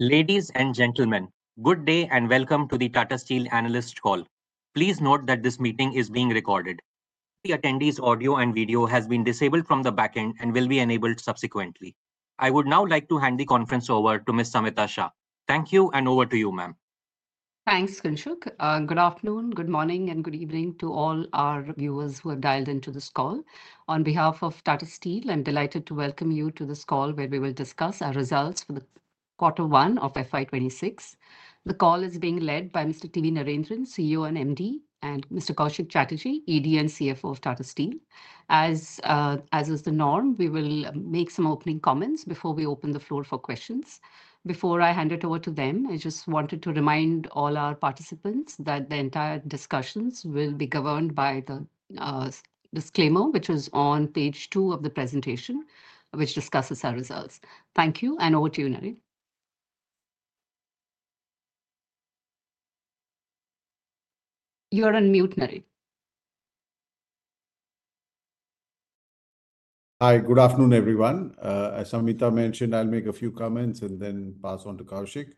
Ladies and gentlemen, good day and welcome to the Tata Steel Analyst Call. Please note that this meeting is being recorded. The attendees' audio and video has been disabled from the back end and will be enabled subsequently. I would now like to hand the conference over to Ms. Samita Shah. Thank you, and over to you, ma'am. Thanks, Kinshuk. Good afternoon, good morning, and good evening to all our viewers who have dialed into this call. On behalf of Tata Steel, I'm delighted to welcome you to this call where we will discuss our results for the quarter one of FY 2026. The call is being led by Mr. T. V. Narendran, CEO and MD, and Mr. Koushik Chatterjee, ED and CFO of Tata Steel. As is the norm, we will make some opening comments before we open the floor for questions. Before I hand it over to them, I just wanted to remind all our participants that the entire discussions will be governed by the disclaimer, which is on page two of the presentation, which discusses our results. Thank you, and over to you, Naren. You're on mute, Naren. Hi, good afternoon, everyone. As Samita mentioned, I'll make a few comments and then pass on to Koushik.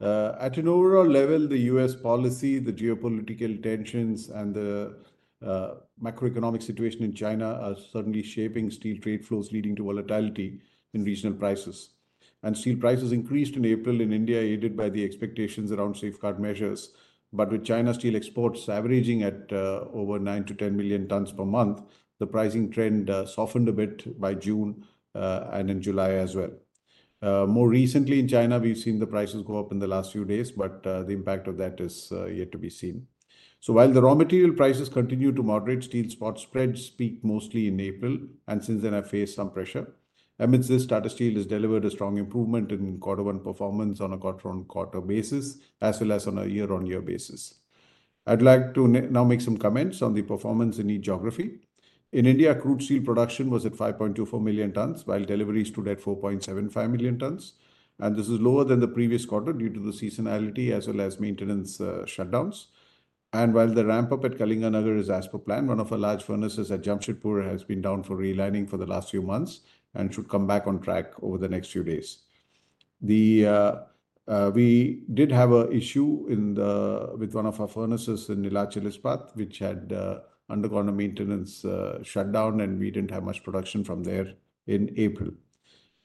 At an overall level, the U.S. policy, the geopolitical tensions, and the macroeconomic situation in China are certainly shaping steel trade flows, leading to volatility in regional prices. Steel prices increased in April in India, aided by the expectations around safeguard measures. With China's steel exports averaging at over 9 million to 10 million tons per month, the pricing trend softened a bit by June and in July as well. More recently, in China, we've seen the prices go up in the last few days, but the impact of that is yet to be seen. While the raw material prices continue to moderate, steel spot spreads peaked mostly in April, and since then, have faced some pressure. Amidst this, Tata Steel has delivered a strong improvement in quarter-one performance on a quarter-on-quarter basis, as well as on a year-on-year basis. I'd like to now make some comments on the performance in each geography. In India, crude steel production was at 5.24 million tons, while deliveries stood at 4.75 million tons. This is lower than the previous quarter due to the seasonality as well as maintenance shutdowns. While the ramp-up at Kalinganagar is as per plan, one of our large furnaces at Jamshedpur has been down for relining for the last few months and should come back on track over the next few days. We did have an issue with one of our furnaces in Neelachal Ispat, which had undergone a maintenance shutdown, and we didn't have much production from there in April.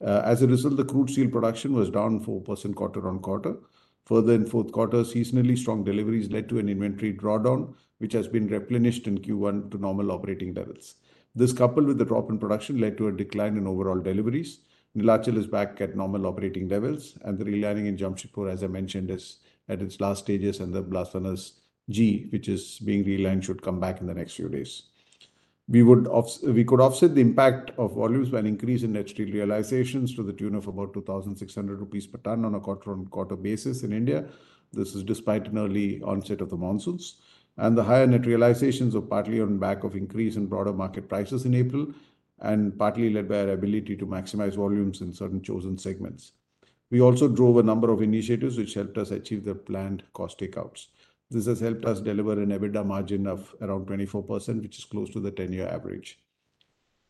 As a result, the crude steel production was down 4% quarter on quarter. Further, in fourth quarter, seasonally strong deliveries led to an inventory drawdown, which has been replenished in Q1 to normal operating levels. This, coupled with the drop in production, led to a decline in overall deliveries. Neelachal is back at normal operating levels, and the relining in Jamshedpur, as I mentioned, is at its last stages, and the blast furnace G, which is being relined, should come back in the next few days. We could offset the impact of volumes by an increase in net steel realizations to the tune of about 2,600 rupees per ton on a quarter-on-quarter basis in India. This is despite an early onset of the monsoons. The higher net realizations were partly on the back of an increase in broader market prices in April, and partly led by our ability to maximize volumes in certain chosen segments. We also drove a number of initiatives which helped us achieve the planned cost takeouts. This has helped us deliver an EBITDA margin of around 24%, which is close to the 10-year average.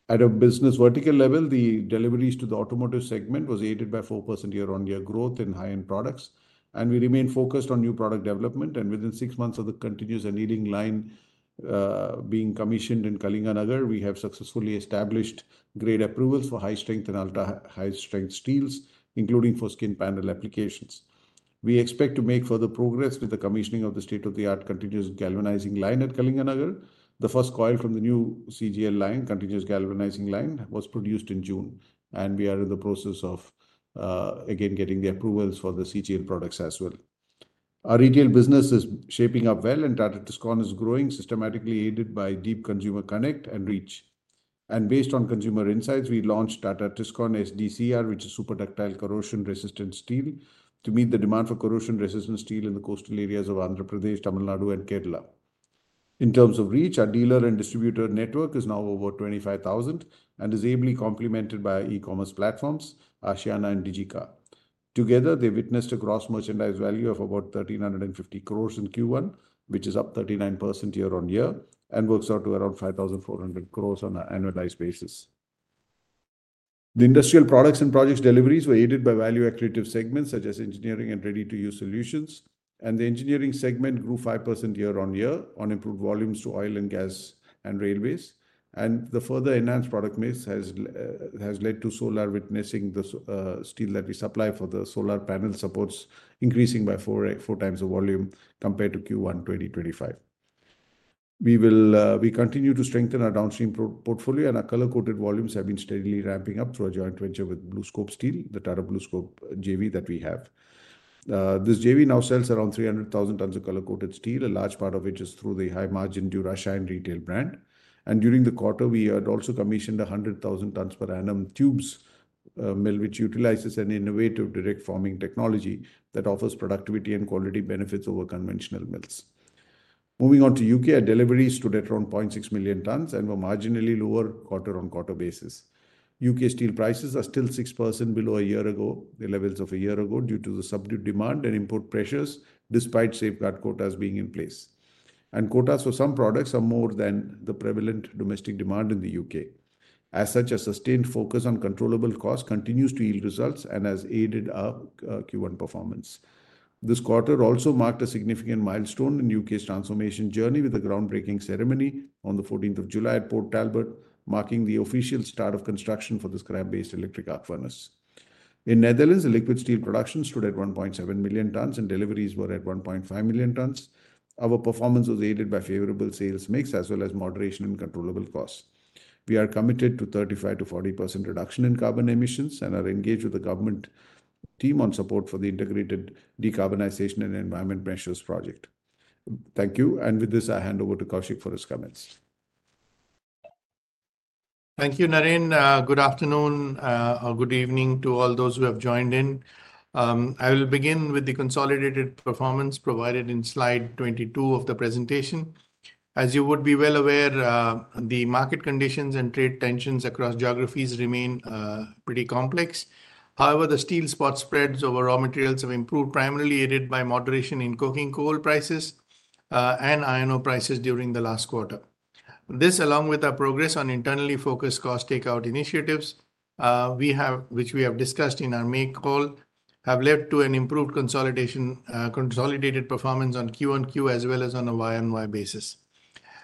At a business vertical level, the deliveries to the automotive segment were aided by 4% year-on-year growth in high-end products. We remained focused on new product development. Within six months of the continuous annealing and galvanizing line being commissioned in Kalinganagar, we have successfully established grade approvals for high-strength and ultra-high-strength steels, including for skin panel applications. We expect to make further progress with the commissioning of the state-of-the-art continuous galvanizing line at Kalinganagar. The first coil from the new CGL line, Continuous Galvanizing Line, was produced in June. We are in the process of getting the approvals for the CGL products as well. Our retail business is shaping up well, and Tata Tiscon is growing, systematically aided by deep consumer connect and reach. Based on consumer insights, we launched Tata Tiscon SDCR, which is Super Ductile Corrosion-Resistant steel, to meet the demand for corrosion-resistant steel in the coastal areas of Andhra Pradesh, Tamil Nadu, and Kerala. In terms of reach, our dealer and distributor network is now over 25,000 and is ably complemented by e-commerce platforms, Aashiyana and DigECA. Together, they witnessed a gross merchandise value of about 13.5 billion in Q1, which is up 39% year-on-year and works out to around 54 billion on an annualized basis. The industrial products and projects deliveries were aided by value-accretive segments such as engineering and ready-to-use solutions. The engineering segment grew 5% year-on-year on improved volumes to oil and gas and railways. The further enhanced product mix has led to solar witnessing the steel that we supply for the solar panel supports increasing by four times the volume compared to Q1 2025. We continue to strengthen our downstream portfolio, and our color-coated volumes have been steadily ramping up through a joint venture with BlueScope Steel, the Tata BlueScope JV that we have. This JV now sells around 300,000 tons of color-coated steel, a large part of which is through the high-margin Durashine retail brand. During the quarter, we had also commissioned 100,000 tons per annum tubes mill, which utilizes an innovative direct forming technology that offers productivity and quality benefits over conventional mills. Moving on to U.K., our deliveries stood at around 0.6 million tons and were marginally lower quarter-on-quarter basis. U.K. steel prices are still 6% below a year ago, the levels of a year ago, due to the subdued demand and import pressures, despite safeguard quotas being in place. Quotas for some products are more than the prevalent domestic demand in the U.K. As such, a sustained focus on controllable costs continues to yield results and has aided our Q1 performance. This quarter also marked a significant milestone in U.K.'s transformation journey with a groundbreaking ceremony on the 14th of July at Port Talbot, marking the official start of construction for the scrap-based electric arc furnace. In Netherlands, liquid steel production stood at 1.7 million tons, and deliveries were at 1.5 million tons. Our performance was aided by favorable sales mix as well as moderation in controllable costs. We are committed to 35%-40% reduction in carbon emissions and are engaged with the government team on support for the integrated decarbonization and environment measures project. Thank you. With this, I hand over to Koushik for his comments. Thank you, Naren. Good afternoon or good evening to all those who have joined in. I will begin with the consolidated performance provided in slide 22 of the presentation. As you would be well aware, the market conditions and trade tensions across geographies remain pretty complex. However, the steel spot spreads over raw materials have improved, primarily aided by moderation in coking coal prices and iron ore prices during the last quarter. This, along with our progress on internally focused cost takeout initiatives, which we have discussed in our May call, have led to an improved consolidated performance on Q-on-Q as well as on a Y-on-Y basis.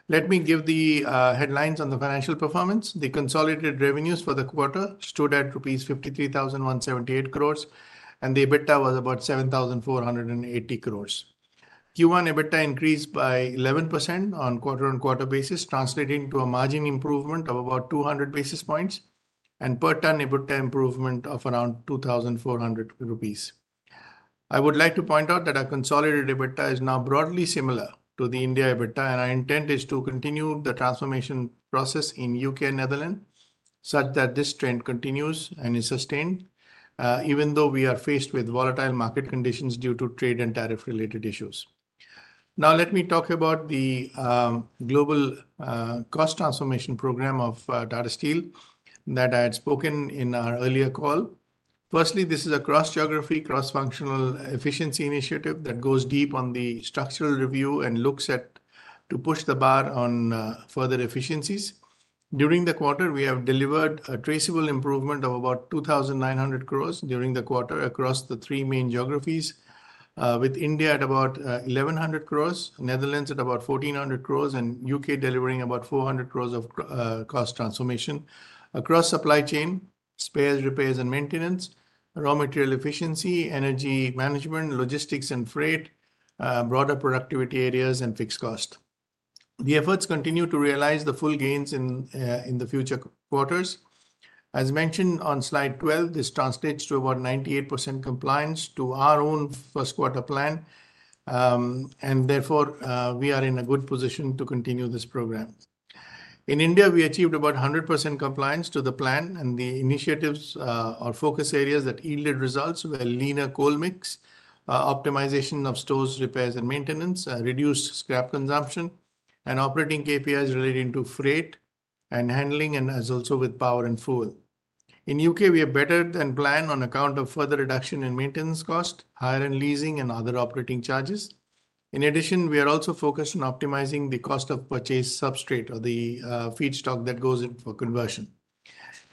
Let me give the headlines on the financial performance. The consolidated revenues for the quarter stood at rupees 531.78 billion, and the EBITDA was about 74.8 billion. Q1 EBITDA increased by 11% on a quarter-on-quarter basis, translating to a margin improvement of about 200 basis points and per-ton EBITDA improvement of around 2,400 rupees. I would like to point out that our consolidated EBITDA is now broadly similar to the India EBITDA, and our intent is to continue the transformation process in U.K. and Netherlands such that this trend continues and is sustained, even though we are faced with volatile market conditions due to trade and tariff-related issues. Now, let me talk about the global cost transformation program of Tata Steel that I had spoken about in our earlier call. Firstly, this is a cross-geography, cross-functional efficiency initiative that goes deep on the structural review and looks at pushing the bar on further efficiencies. During the quarter, we have delivered a traceable improvement of about 29 billion during the quarter across the three main geographies, with India at about 11 billion, Netherlands at about 14 billion, and U.K. delivering about 4 billion of cost transformation across supply chain, spares, repairs and maintenance, raw material efficiency, energy management, logistics and freight, broader productivity areas, and fixed cost. The efforts continue to realize the full gains in the future quarters. As mentioned on slide 12, this translates to about 98% compliance to our own first-quarter plan, and therefore, we are in a good position to continue this program. In India, we achieved about 100% compliance to the plan, and the initiatives or focus areas that yielded results were leaner coal mix, optimization of stores, repairs, and maintenance, reduced scrap consumption, and operating KPIs relating to freight and handling, and also with power and fuel. In the U.K., we are better than planned on account of further reduction in maintenance cost, hire and leasing, and other operating charges. In addition, we are also focused on optimizing the cost of purchase substrate or the feedstock that goes in for conversion.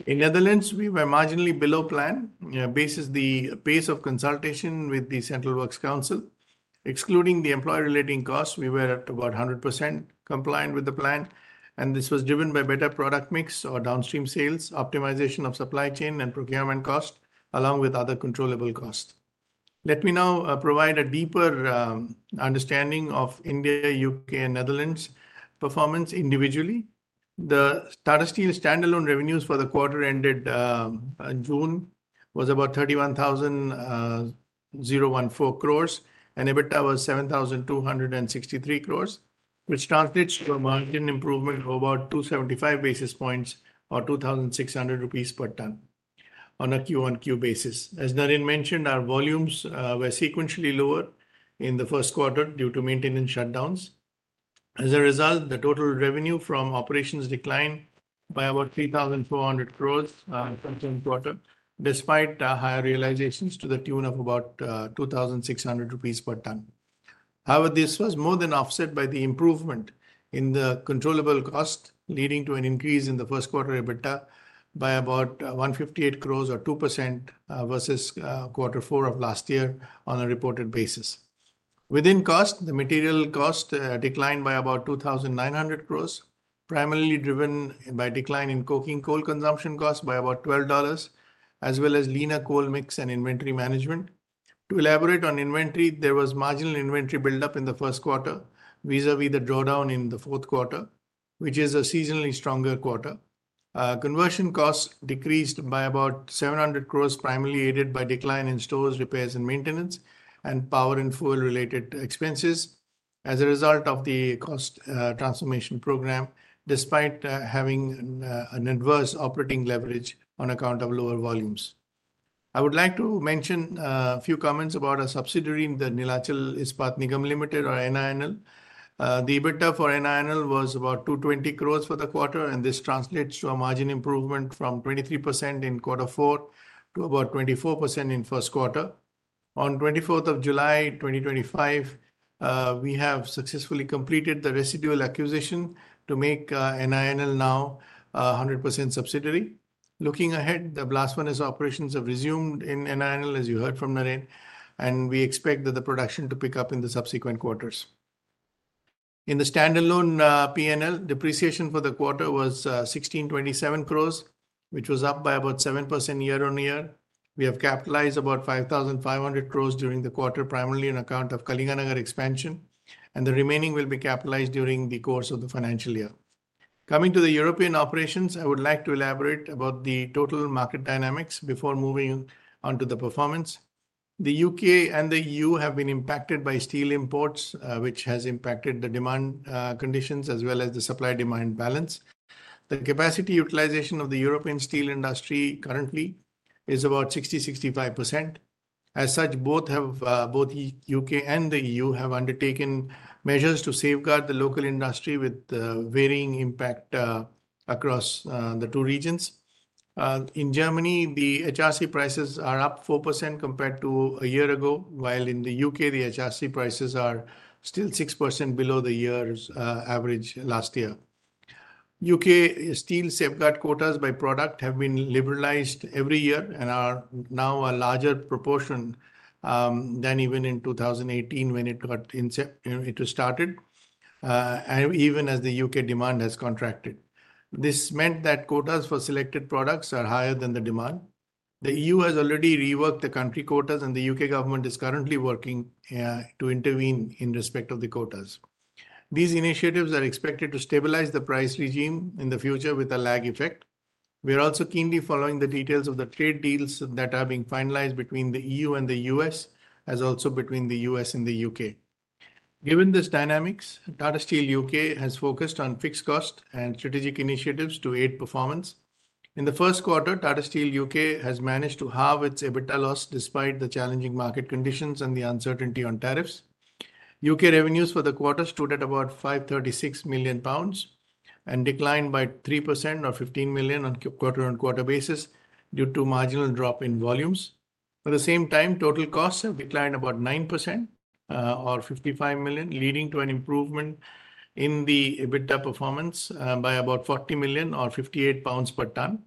In the Netherlands, we were marginally below plan. Based on the pace of consultation with the Central Works Council, excluding the employee-relating costs, we were at about 100% compliant with the plan. This was driven by better product mix or downstream sales, optimization of supply chain, and procurement cost, along with other controllable costs. Let me now provide a deeper understanding of India, U.K., and Netherlands' performance individually. The Tata Steel standalone revenues for the quarter ended in June was about 310.14 billion, and EBITDA was 72.63 billion, which translates to a margin improvement of about 275 basis points or 2,600 rupees per ton on a Q1Q basis. As Narendran mentioned, our volumes were sequentially lower in the first quarter due to maintenance shutdowns. As a result, the total revenue from operations declined by about 34 billion in the first quarter, despite higher realizations to the tune of about 2,600 rupees per ton. However, this was more than offset by the improvement in the controllable cost, leading to an increase in the first-quarter EBITDA by about 1.58 billion or 2% versus quarter four of last year on a reported basis. Within cost, the material cost declined by about 29 billion, primarily driven by a decline in coking coal consumption cost by about $12, as well as leaner coal mix and inventory management. To elaborate on inventory, there was marginal inventory buildup in the first quarter vis-à-vis the drawdown in the fourth quarter, which is a seasonally stronger quarter. Conversion costs decreased by about 7 billion, primarily aided by a decline in stores, repairs, and maintenance, and power and fuel-related expenses as a result of the cost transformation program, despite having an adverse operating leverage on account of lower volumes. I would like to mention a few comments about our subsidiary, the Neelachal Ispat Nigam Limited, or NINL. The EBITDA for NINL was about 2.2 cbillion for the quarter, and this translates to a margin improvement from 23% in quarter four to about 24% in the first quarter. On July 24, 2025, we have successfully completed the residual acquisition to make NINL now a 100% subsidiary. Looking ahead, the last one is operations have resumed in NINL, as you heard from Narendran, and we expect that the production to pick up in the subsequent quarters. In the standalone P&L, depreciation for the quarter was 16.27 billion, which was up by about 7% year-on-year. We have capitalized about 55 billion during the quarter, primarily on account of Kalinganagar expansion, and the remaining will be capitalized during the course of the financial year. Coming to the European operations, I would like to elaborate about the total market dynamics before moving on to the performance. The U.K. and the EU have been impacted by steel imports, which has impacted the demand conditions as well as the supply-demand balance. The capacity utilization of the European steel industry currently is about 60%-65%. As such, both U.K. and the EU have undertaken measures to safeguard the local industry with varying impact across the two regions. In Germany, the HRC prices are up 4% compared to a year ago, while in the U.K., the HRC prices are still 6% below the year's average last year. U.K. steel safeguard quotas by product have been liberalized every year and are now a larger proportion than even in 2018 when it was started. Even as the U.K. demand has contracted, this meant that quotas for selected products are higher than the demand. The EU has already reworked the country quotas, and the U.K. government is currently working to intervene in respect of the quotas. These initiatives are expected to stabilize the price regime in the future with a lag effect. We are also keenly following the details of the trade deals that are being finalized between the EU and the U.S., as also between the U.S. and the U.K. Given this dynamics, Tata Steel U.K. has focused on fixed cost and strategic initiatives to aid performance. In the first quarter, Tata Steel U.K. has managed to halve its EBITDA loss despite the challenging market conditions and the uncertainty on tariffs. U.K. revenues for the quarter stood at about 536 million pounds and declined by 3% or 15 million on quarter-on-quarter basis due to a marginal drop in volumes. At the same time, total costs have declined about 9%. Or 55 million, leading to an improvement in the EBITDA performance by about 40 million or 58 pounds per ton.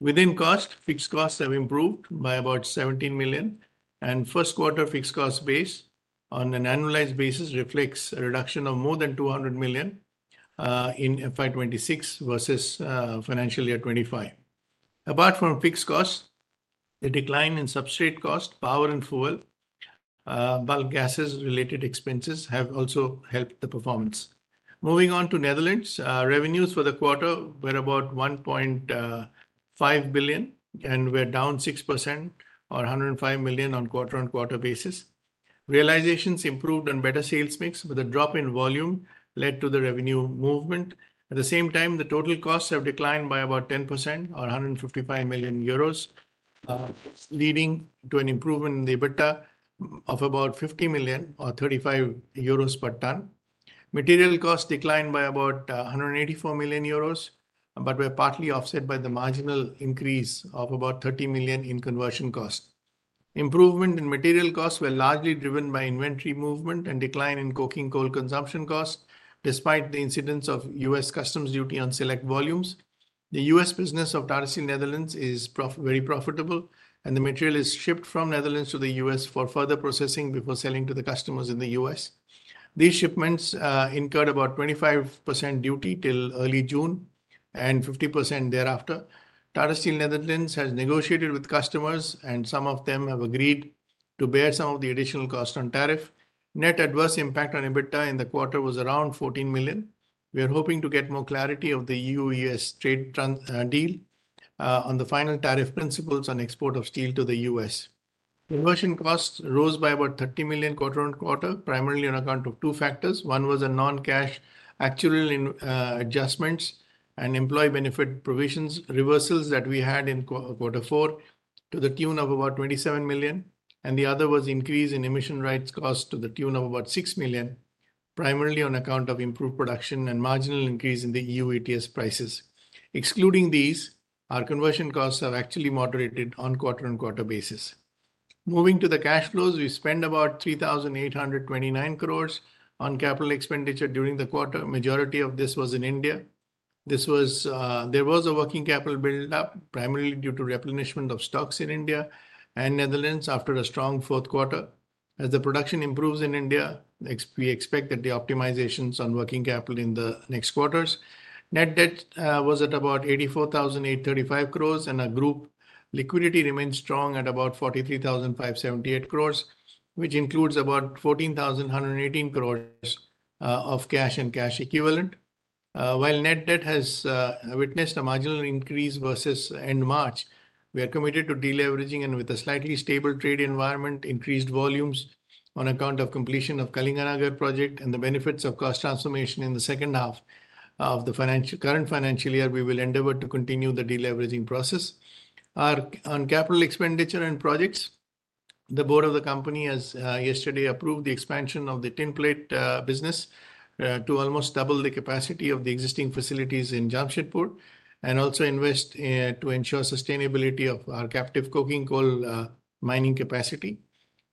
Within cost, fixed costs have improved by about 17 million, and first-quarter fixed cost base, on an annualized basis, reflects a reduction of more than 200 million in FY 2026 versus financial year 2025. Apart from fixed costs, the decline in substrate cost, power and fuel, and bulk gases-related expenses have also helped the performance. Moving on to Netherlands, revenues for the quarter were about 1.5 billion and were down 6% or 105 million on a quarter-on-quarter basis. Realizations improved on better sales mix, but the drop in volume led to the revenue movement. At the same time, the total costs have declined by about 10% or 155 million euros, leading to an improvement in the EBITDA of about 50 million or 35 euros per ton. Material costs declined by about 184 million euros, but were partly offset by the marginal increase of about 30 million in conversion cost. Improvement in material costs was largely driven by inventory movement and decline in coking coal consumption costs, despite the incidence of U.S. customs duty on select volumes. The U.S. business of Tata Steel Netherlands is very profitable, and the material is shipped from Netherlands to the U.S. for further processing before selling to the customers in the U.S. These shipments incurred about 25% duty till early June and 50% thereafter. Tata Steel Netherlands has negotiated with customers, and some of them have agreed to bear some of the additional cost on tariff. Net adverse impact on EBITDA in the quarter was around 14 million. We are hoping to get more clarity of the EU-U.S. trade deal on the final tariff principles on export of steel to the U.S. Conversion costs rose by about 30 million quarter-on-quarter, primarily on account of two factors. One was non-cash actuarial adjustments and employee benefit provisions reversals that we had in quarter four to the tune of about 27 million, and the other was an increase in emission rights cost to the tune of about 6 million, primarily on account of improved production and marginal increase in the EU ETS prices. Excluding these, our conversion costs have actually moderated on a quarter-on-quarter basis. Moving to the cash flows, we spent about 38.29 billion on capital expenditure during the quarter. The majority of this was in India. There was a working capital buildup, primarily due to replenishment of stocks in India and Netherlands after a strong fourth quarter. As the production improves in India, we expect optimizations on working capital in the next quarters. Net debt was at about 848.35 billion, and group liquidity remained strong at about 435.78 billion, which includes about 141.18 billion of cash and cash equivalent. While net debt has witnessed a marginal increase versus end March, we are committed to deleveraging and, with a slightly stable trade environment, increased volumes on account of the completion of the Kalinganagar project and the benefits of cost transformation in the second half of the current financial year, we will endeavor to continue the deleveraging process. On capital expenditure and projects, the board of the company has yesterday approved the expansion of the tin plate business to almost double the capacity of the existing facilities in Jamshedpur and also invest to ensure the sustainability of our captive coal mining capacity.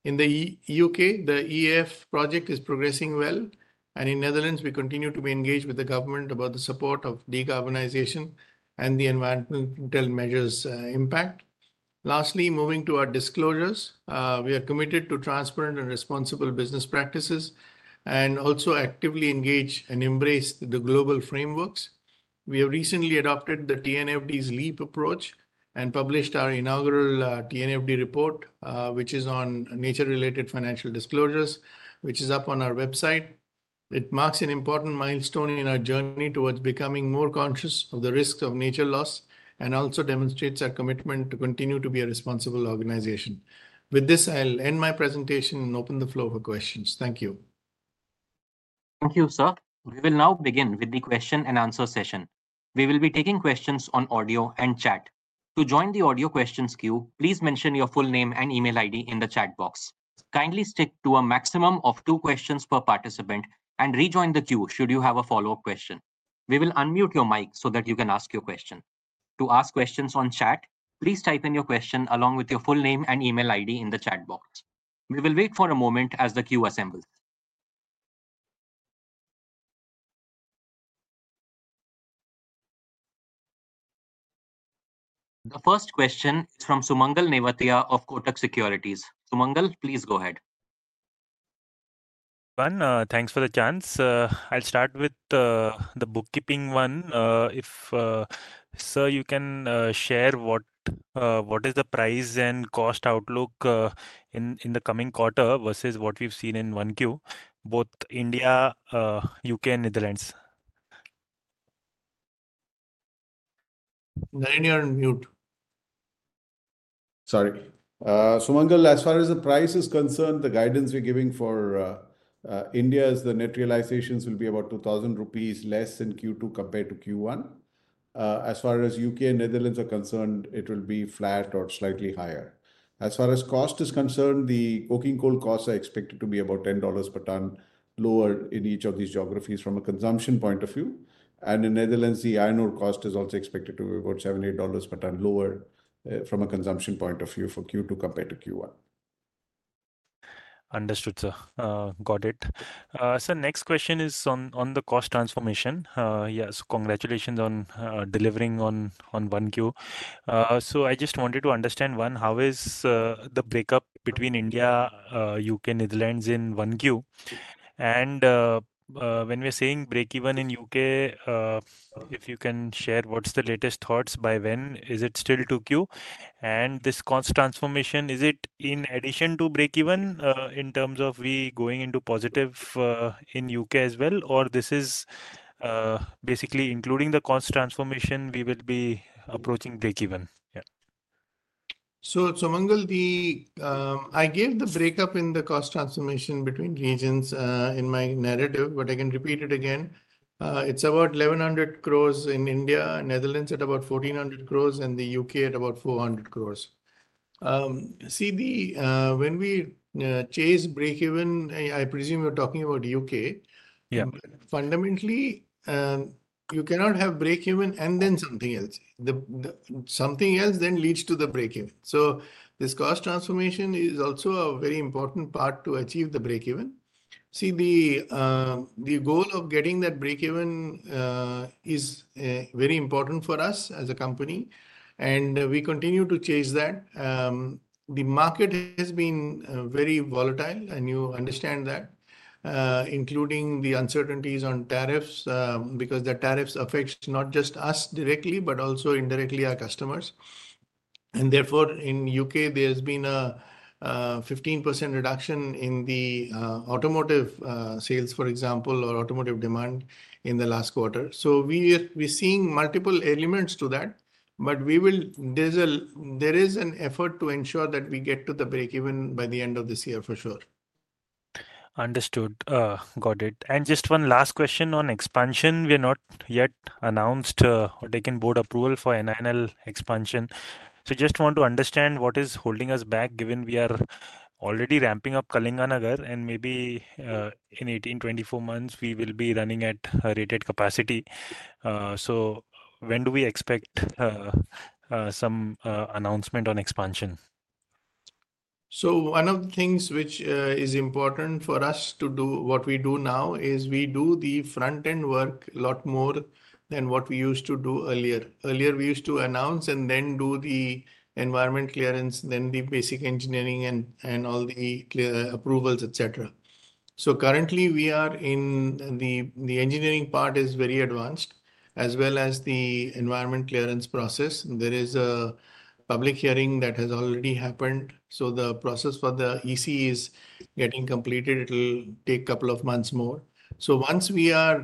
In the U.K., the EAF project is progressing well, and in Netherlands, we continue to be engaged with the government about the support of decarbonization and the environmental measures' impact. Lastly, moving to our disclosures, we are committed to transparent and responsible business practices and also actively engage and embrace the global frameworks. We have recently adopted the TNFD's LEAP approach and published our inaugural TNFD report, which is on nature-related financial disclosures, which is up on our website. It marks an important milestone in our journey towards becoming more conscious of the risks of nature loss and also demonstrates our commitment to continue to be a responsible organization. With this, I'll end my presentation and open the floor for questions. Thank you. Thank you, sir. We will now begin with the question and answer session. We will be taking questions on audio and chat. To join the audio questions queue, please mention your full name and email ID in the chat box. Kindly stick to a maximum of two questions per participant and rejoin the queue should you have a follow-up question. We will unmute your mic so that you can ask your question. To ask questions on chat, please type in your question along with your full name and email ID in the chat box. We will wait for a moment as the queue assembles. The first question is from Sumangal Nevatia of Kotak Securities. Sumangal, please go ahead. Thanks for the chance. I'll start with the bookkeeping one. Sir, you can share what is the price and cost outlook. In the coming quarter versus what we've seen in Q1, both India, U.K., and Netherlands? Naren, you're on mute. Sorry. Sumangal, as far as the price is concerned, the guidance we're giving for India is the net realizations will be about 2,000 rupees less in Q2 compared to Q1. As far as U.K. and Netherlands are concerned, it will be flat or slightly higher. As far as cost is concerned, the coking coal costs are expected to be about $10 per ton lower in each of these geographies from a consumption point of view. In Netherlands, the iron ore cost is also expected to be about $78 per ton lower from a consumption point of view for Q2 compared to Q1. Understood, sir. Got it. Sir, next question is on the cost transformation. Yes, congratulations on delivering on Q1. I just wanted to understand, one, how is the breakup between India, U.K., and Netherlands in Q1? When we're saying breakeven in U.K., if you can share what's the latest thoughts by when? Is it still Q2? This cost transformation, is it in addition to breakeven in terms of we going into positive in U.K. as well, or is this basically including the cost transformation, we will be approaching breakeven? Yeah. Sumangal, I gave the breakup in the cost transformation between regions in my narrative, but I can repeat it again. It's about 11 billion in India, Netherlands at about 14 billion, and the UK at about 4 billion. See, when we chase breakeven, I presume you're talking about U.K. Yeah. Fundamentally, you cannot have breakeven and then something else. Something else then leads to the breakeven. This cost transformation is also a very important part to achieve the breakeven. The goal of getting that breakeven is very important for us as a company, and we continue to chase that. The market has been very volatile, and you understand that. Including the uncertainties on tariffs because the tariffs affect not just us directly, but also indirectly our customers. Therefore, in U.K., there has been a 15% reduction in the automotive sales, for example, or automotive demand in the last quarter. We're seeing multiple elements to that, but there is an effort to ensure that we get to the breakeven by the end of this year for sure. Understood. Got it. Just one last question on expansion. We have not yet announced or taken board approval for NINL expansion. Just want to understand what is holding us back, given we are already ramping up Kalinganagar, and maybe in 18-24 months, we will be running at a rated capacity. When do we expect some announcement on expansion? One of the things which is important for us to do now is we do the front-end work a lot more than what we used to do earlier. Earlier, we used to announce and then do the environment clearance, then the basic engineering and all the approvals, etc. Currently, the engineering part is very advanced, as well as the environment clearance process. There is a public hearing that has already happened. The process for the EC is getting completed. It will take a couple of months more. Once we are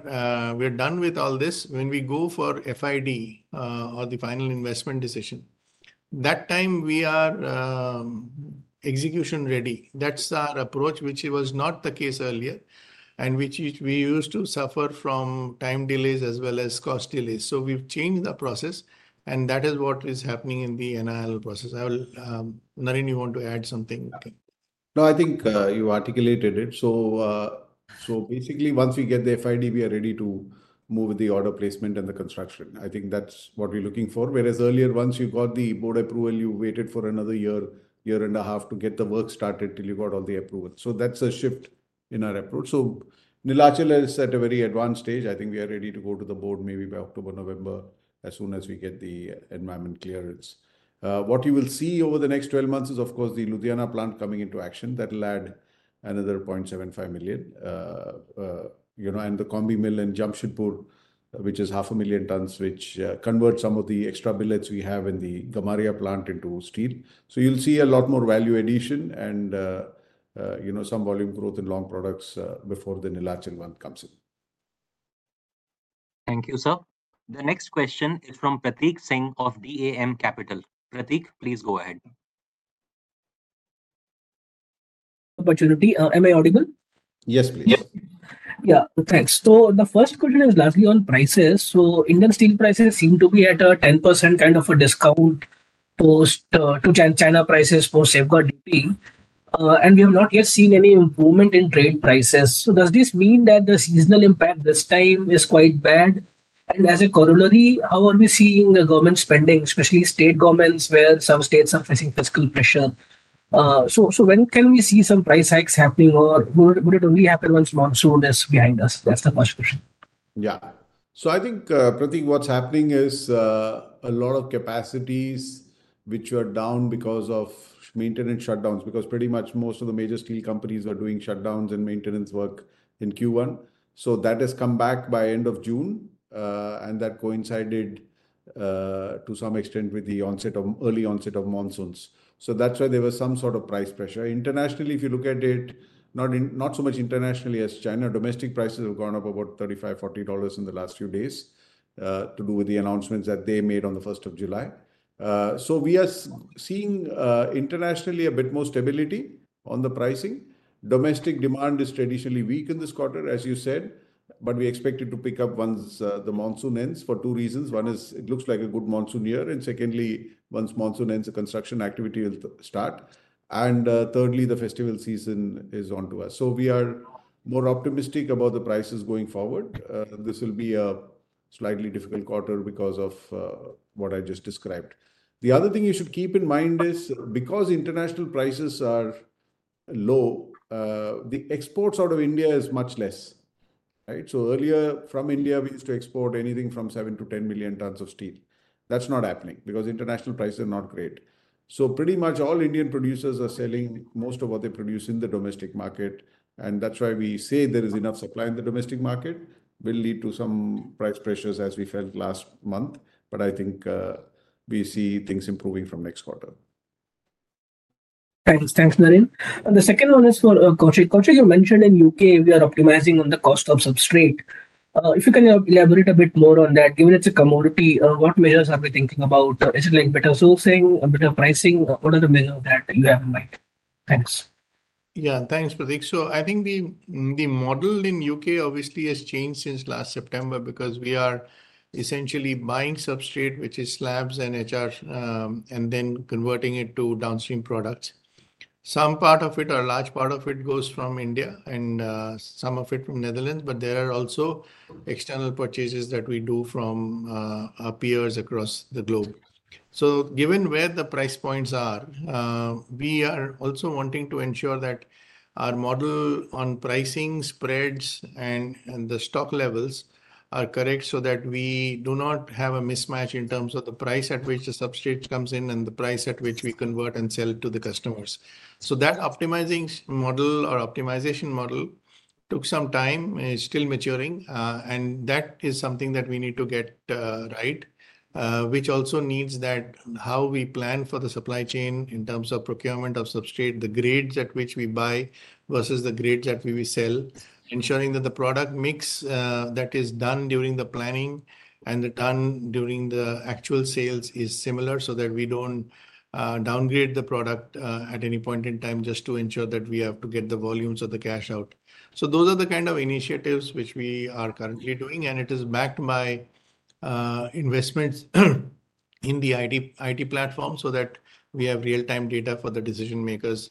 done with all this, when we go for FID or the Final Investment Decision, at that time we are execution ready. That's our approach, which was not the case earlier, and we used to suffer from time delays as well as cost delays. We've changed the process, and that is what is happening in the NINL process. Naren, you want to add something? No, I think you articulated it. Basically, once we get the FID, we are ready to move to the order placement and the construction. I think that's what we're looking for. Whereas earlier, once you got the board approval, you waited for another year, year and a half to get the work started till you got all the approval. That's a shift in our approach. Neelachal is at a very advanced stage. I think we are ready to go to the board maybe by October, November, as soon as we get the environment clearance. What you will see over the next 12 months is, of course, the Ludhiana plant coming into action. That'll add another 0.75 million. The combi mill in Jamshedpur, which is half a million tons, converts some of the extra billets we have in the Gamaria plant into steel. You'll see a lot more value addition and some volume growth in long products before the Neelachal one comes in. Thank you, sir. The next question is from Prateek Singh of DAM Capital. Prateek, please go ahead. Am I audible? Yes, please. Yeah, thanks. The first question is largely on prices. Indian steel prices seem to be at a 10% kind of a discount to China prices post safeguard duty. We have not yet seen any improvement in trade prices. Does this mean that the seasonal impact this time is quite bad? As a corollary, how are we seeing the government spending, especially state governments, where some states are facing fiscal pressure? When can we see some price hikes happening, or would it only happen once monsoon is behind us? That's the first question. Yeah. I think, Prateek, what's happening is a lot of capacities which were down because of maintenance shutdowns, because pretty much most of the major steel companies are doing shutdowns and maintenance work in Q1, have come back by end of June, and that coincided to some extent with the early onset of monsoons. That's why there was some sort of price pressure. Internationally, if you look at it, not so much internationally as China, domestic prices have gone up about $35, $40 in the last few days due to the announcements that they made on the 1st of July. We are seeing internationally a bit more stability on the pricing. Domestic demand is traditionally weak in this quarter, as you said, but we expect it to pick up once the monsoon ends for two reasons. One is it looks like a good monsoon year, and secondly, once monsoon ends, the construction activity will start. Thirdly, the festival season is on to us. We are more optimistic about the prices going forward. This will be a slightly difficult quarter because of what I just described. The other thing you should keep in mind is because international prices are low, the exports out of India are much less. Earlier, from India, we used to export anything from 7 million-10 million tons of steel. That's not happening because international prices are not great. Pretty much all Indian producers are selling most of what they produce in the domestic market. That's why we say there is enough supply in the domestic market, which will lead to some price pressures, as we felt last month. I think we see things improving from next quarter. Thanks, Naren. The second one is for Koushik. Koushik, you mentioned in U.K., we are optimizing on the cost of substrate. If you can elaborate a bit more on that, given it's a commodity, what measures are we thinking about? Is it like better sourcing, better pricing? What are the measures that you have in mind? Thanks. Yeah, thanks, Prateek. I think the model in U.K. obviously has changed since last September because we are essentially buying substrate, which is slabs and HR, and then converting it to downstream products. Some part of it, or a large part of it, goes from India and some of it from Netherlands, but there are also external purchases that we do from peers across the globe. Given where the price points are, we are also wanting to ensure that our model on pricing spreads and the stock levels are correct so that we do not have a mismatch in terms of the price at which the substrate comes in and the price at which we convert and sell to the customers. That optimizing model or optimization model took some time and is still maturing. That is something that we need to get right, which also needs that how we plan for the supply chain in terms of procurement of substrate, the grades at which we buy versus the grades that we sell, ensuring that the product mix that is done during the planning and done during the actual sales is similar so that we don't downgrade the product at any point in time just to ensure that we have to get the volumes of the cash out. Those are the kind of initiatives which we are currently doing, and it is backed by investments in the IT platform so that we have real-time data for the decision makers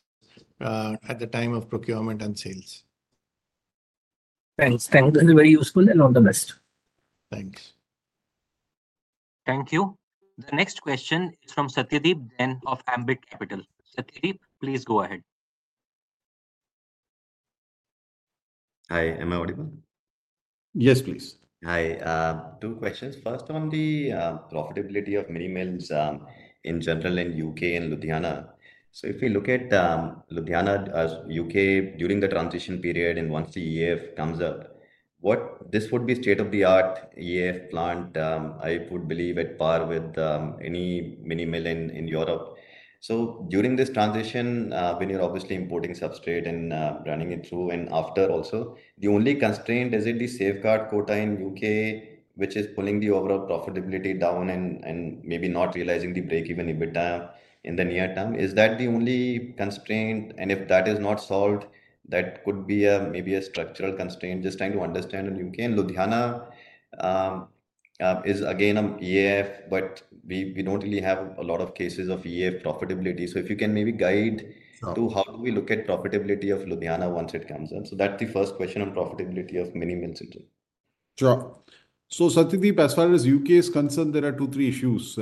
at the time of procurement and sales. Thanks. Thanks. This is very useful and all the best. Thanks. Thank you. The next question is from Satyadeep Jain of Ambit Capital. Satyadeep, please go ahead. Hi, am I audible? Yes, please. Hi. Two questions. First, on the profitability of mini mills in general in U.K. and Ludhiana. If we look at Ludhiana, U.K. during the transition period and once the EAF comes up, this would be state-of-the-art EAF plant. I would believe at par with any mini mill in Europe. During this transition, when you're obviously importing substrate and running it through and after also, the only constraint, as in the safeguard quota in U.K., which is pulling the overall profitability down and maybe not realizing the breakeven in the near term, is that the only constraint? If that is not solved, that could be maybe a structural constraint, just trying to understand in U.K. Ludhiana is again an EAF, but we don't really have a lot of cases of EAF profitability. If you can maybe guide to how do we look at profitability of Ludhiana once it comes in. That's the first question on profitability of mini mills in general. Sure. Satyadeep, as far as U.K. is concerned, there are two, three issues.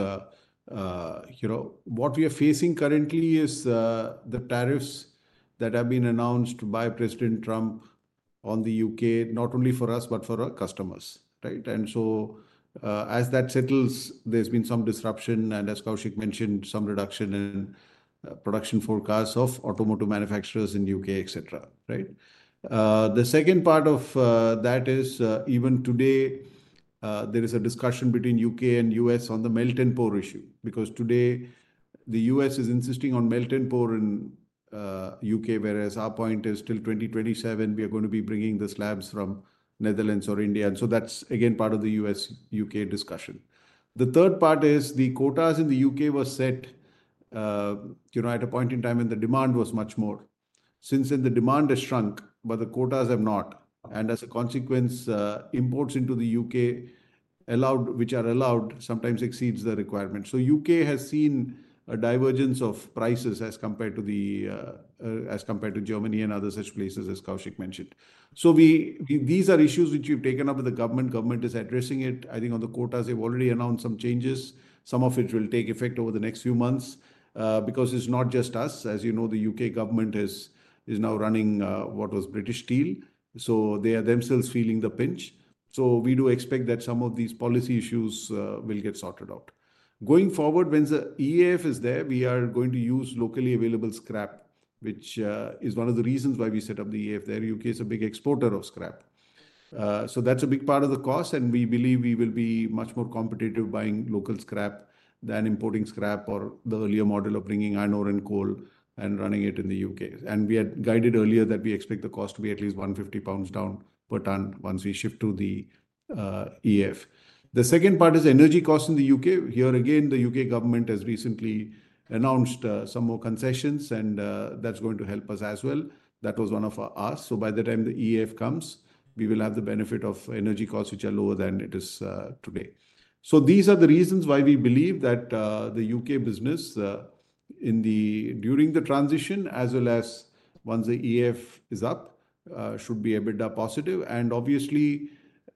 What we are facing currently is the tariffs that have been announced by President Trump on the U.K., not only for us, but for our customers. As that settles, there's been some disruption, and as Koushik mentioned, some reduction in production forecasts of automotive manufacturers in U.K., etc. The second part of that is even today, there is a discussion between U.K. and U.S. on the melt and pour issue because today the U.S. is insisting on melt and pour in U.K., whereas our point is still 2027, we are going to be bringing the slabs from Netherlands or India. That's again part of the U.S.-U.K. discussion. The third part is the quotas in the U.K. were set at a point in time when the demand was much more. Since then, the demand has shrunk, but the quotas have not, and as a consequence, imports into the U.K., which are allowed, sometimes exceed the requirement. U.K. has seen a divergence of prices as compared to Germany and other such places, as Koushik mentioned. These are issues which we've taken up with the government. Government is addressing it. I think on the quotas, they've already announced some changes. Some of it will take effect over the next few months because it's not just us. As you know, the U.K. government is now running what was British Steel, so they are themselves feeling the pinch. We do expect that some of these policy issues will get sorted out. Going forward, when the EAF is there, we are going to use locally available scrap, which is one of the reasons why we set up the EAF there. U.K. is a big exporter of scrap, so that's a big part of the cost, and we believe we will be much more competitive buying local scrap than importing scrap or the earlier model of bringing iron ore and coal and running it in the U.K. We had guided earlier that we expect the cost to be at least 150 pounds down per ton once we shift to the EAF. The second part is energy costs in the U.K. Here again, the U.K. government has recently announced some more concessions, and that's going to help us as well. By the time the EAF comes, we will have the benefit of energy costs, which are lower than it is today. These are the reasons why we believe that the U.K. business, during the transition as well as once the EAF is up, should be EBITDA positive. Obviously,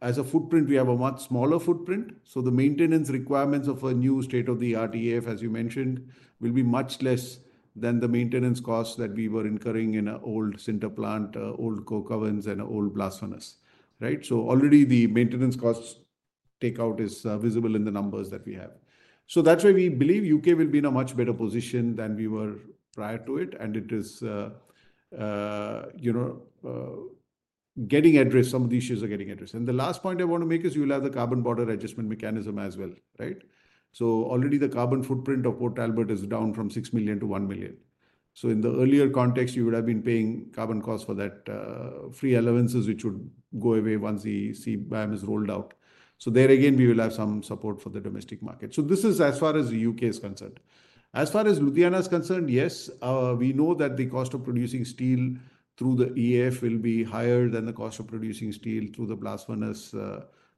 as a footprint, we have a much smaller footprint. The maintenance requirements of a new state-of-the-art EAF, as you mentioned, will be much less than the maintenance costs that we were incurring in an old sinter plant, old coke ovens, and old blast furnace. Already the maintenance cost takeout is visible in the numbers that we have. That is why we believe the U.K. will be in a much better position than we were prior to it. It is getting addressed. Some of the issues are getting addressed. The last point I want to make is you will have the Carbon Border Adjustment Mechanism as well. Already the carbon footprint of Port Talbot is down from 6 million to 1 million. In the earlier context, you would have been paying carbon costs for that. Free allowances, which would go away once the CBAM is rolled out. There again, we will have some support for the domestic market. This is as far as the U.K. is concerned. As far as Ludhiana is concerned, yes, we know that the cost of producing steel through the EAF will be higher than the cost of producing steel through the blast furnace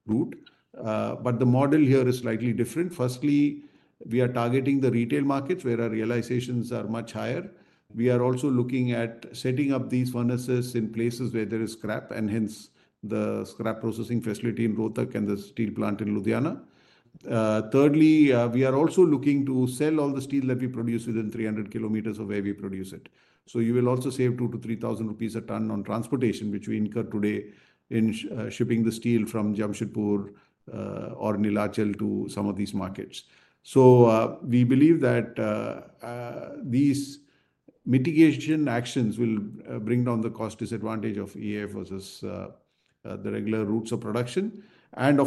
route. The model here is slightly different. Firstly, we are targeting the retail markets where our realizations are much higher. We are also looking at setting up these furnaces in places where there is scrap, and hence the scrap processing facility in Rohtak and the steel plant in Ludhiana. Thirdly, we are also looking to sell all the steel that we produce within 300 km of where we produce it. You will also save 2,000-3,000 rupees a ton on transportation, which we incur today in shipping the steel from Jamshedpur or Neelachal to some of these markets. We believe that these mitigation actions will bring down the cost disadvantage of EAF versus the regular routes of production. It will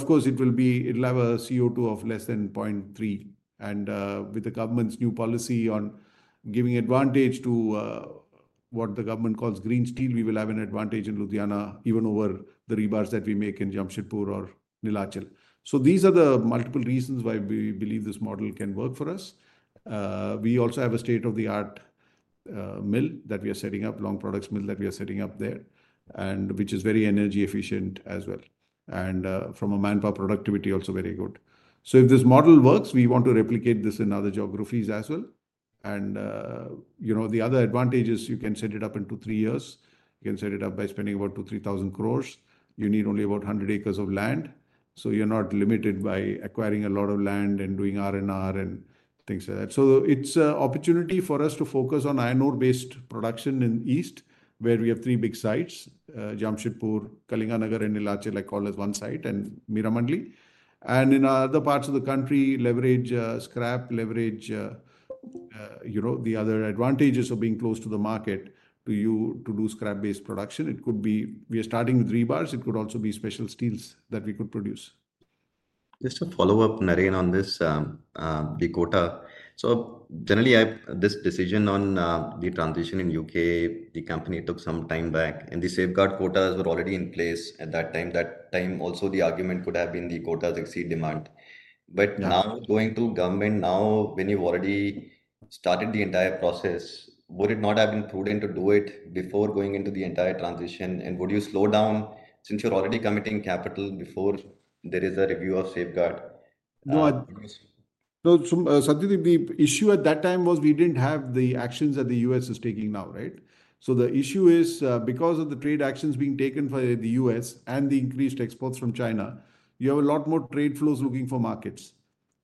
have a CO2 of less than 0.3. With the government's new policy on giving advantage to what the government calls green steel, we will have an advantage in Ludhiana even over the rebars that we make in Jamshedpur or Neelachal. These are the multiple reasons why we believe this model can work for us. We also have a state-of-the-art mill that we are setting up, long products mill that we are setting up there, and which is very energy efficient as well. From a manpower productivity, also very good. If this model works, we want to replicate this in other geographies as well. The other advantage is you can set it up in two, three years. You can set it up by spending about 20 billion-30 billion. You need only about 100 acres of land. So you're not limited by acquiring a lot of land and doing R&R and things like that. It's an opportunity for us to focus on iron ore-based production in the east, where we have three big sites: Jamshedpur, Kalinganagar, and Neelachal, I call as one site, and Meramandali. In other parts of the country, leverage scrap, leverage the other advantages of being close to the market to do scrap-based production. We are starting with rebars. It could also be special steels that we could produce. Just a follow-up, Naren, on this. The quota. Generally, this decision on the transition in the U.K., the company took some time back. The safeguard quotas were already in place at that time. At that time, also the argument could have been the quotas exceed demand. Now going to government, now when you've already started the entire process, would it not have been prudent to do it before going into the entire transition? Would you slow down since you're already committing capital before there is a review of safeguard? No. Satyadeep, the issue at that time was we didn't have the actions that the U.S. is taking now. The issue is because of the trade actions being taken by the U.S. and the increased exports from China, you have a lot more trade flows looking for markets.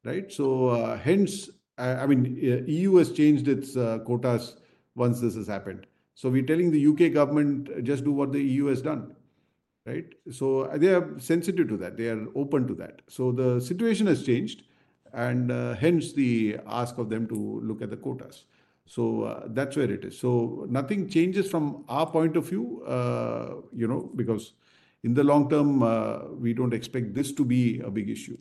Hence, the EU has changed its quotas once this has happened. We're telling the U.K. government, just do what the EU has done. They are sensitive to that. They are open to that. The situation has changed, and hence the ask of them to look at the quotas. That's where it is. Nothing changes from our point of view because in the long term, we don't expect this to be a big issue.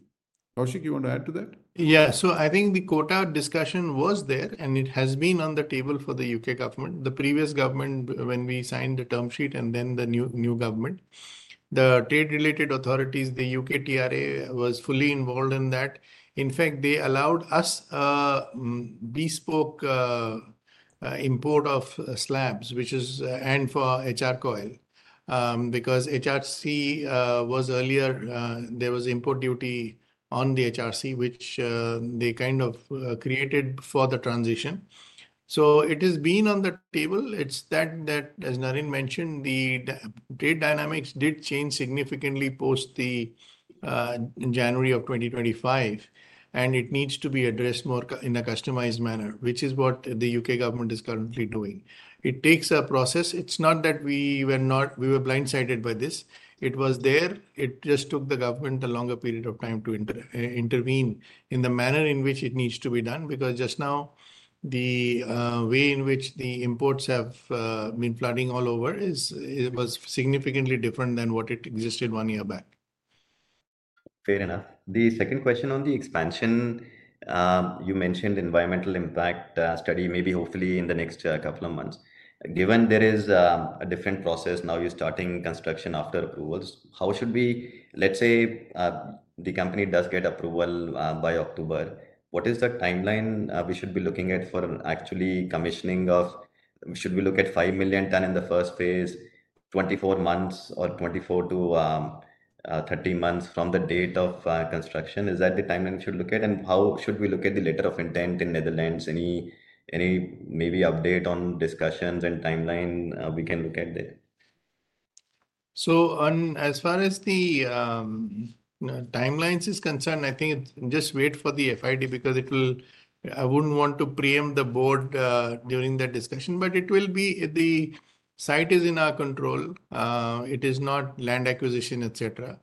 Koushik, you want to add to that? Yeah. I think the quota discussion was there, and it has been on the table for the U.K. government. The previous government, when we signed the term sheet and then the new government. The trade-related authorities, the U.K. TRA, was fully involved in that. In fact, they allowed us bespoke import of slabs, which is and for HR coil. Because HRC was earlier, there was import duty on the HRC, which they kind of created for the transition. It has been on the table. As Naren mentioned, the trade dynamics did change significantly post the January of 2025, and it needs to be addressed more in a customized manner, which is what the U.K. government is currently doing. It takes a process. It's not that we were blindsided by this. It was there. It just took the government a longer period of time to intervene in the manner in which it needs to be done. Just now, the way in which the imports have been flooding all over was significantly different than what existed one year back. Fair enough. The second question on the expansion. You mentioned environmental impact study, maybe hopefully in the next couple of months. Given there is a different process now, you're starting construction after approvals, how should we, let's say, the company does get approval by October, what is the timeline we should be looking at for actually commissioning of. Should we look at 5 million ton in the first phase, 24 months, or 24-30 months from the date of construction? Is that the timeline we should look at? How should we look at the letter of intent in Netherlands? Any maybe update on discussions and timeline we can look at there? As far as the timelines are concerned, I think just wait for the FID because I wouldn't want to preempt the board during the discussion, but the site is in our control. It is not land acquisition, etc.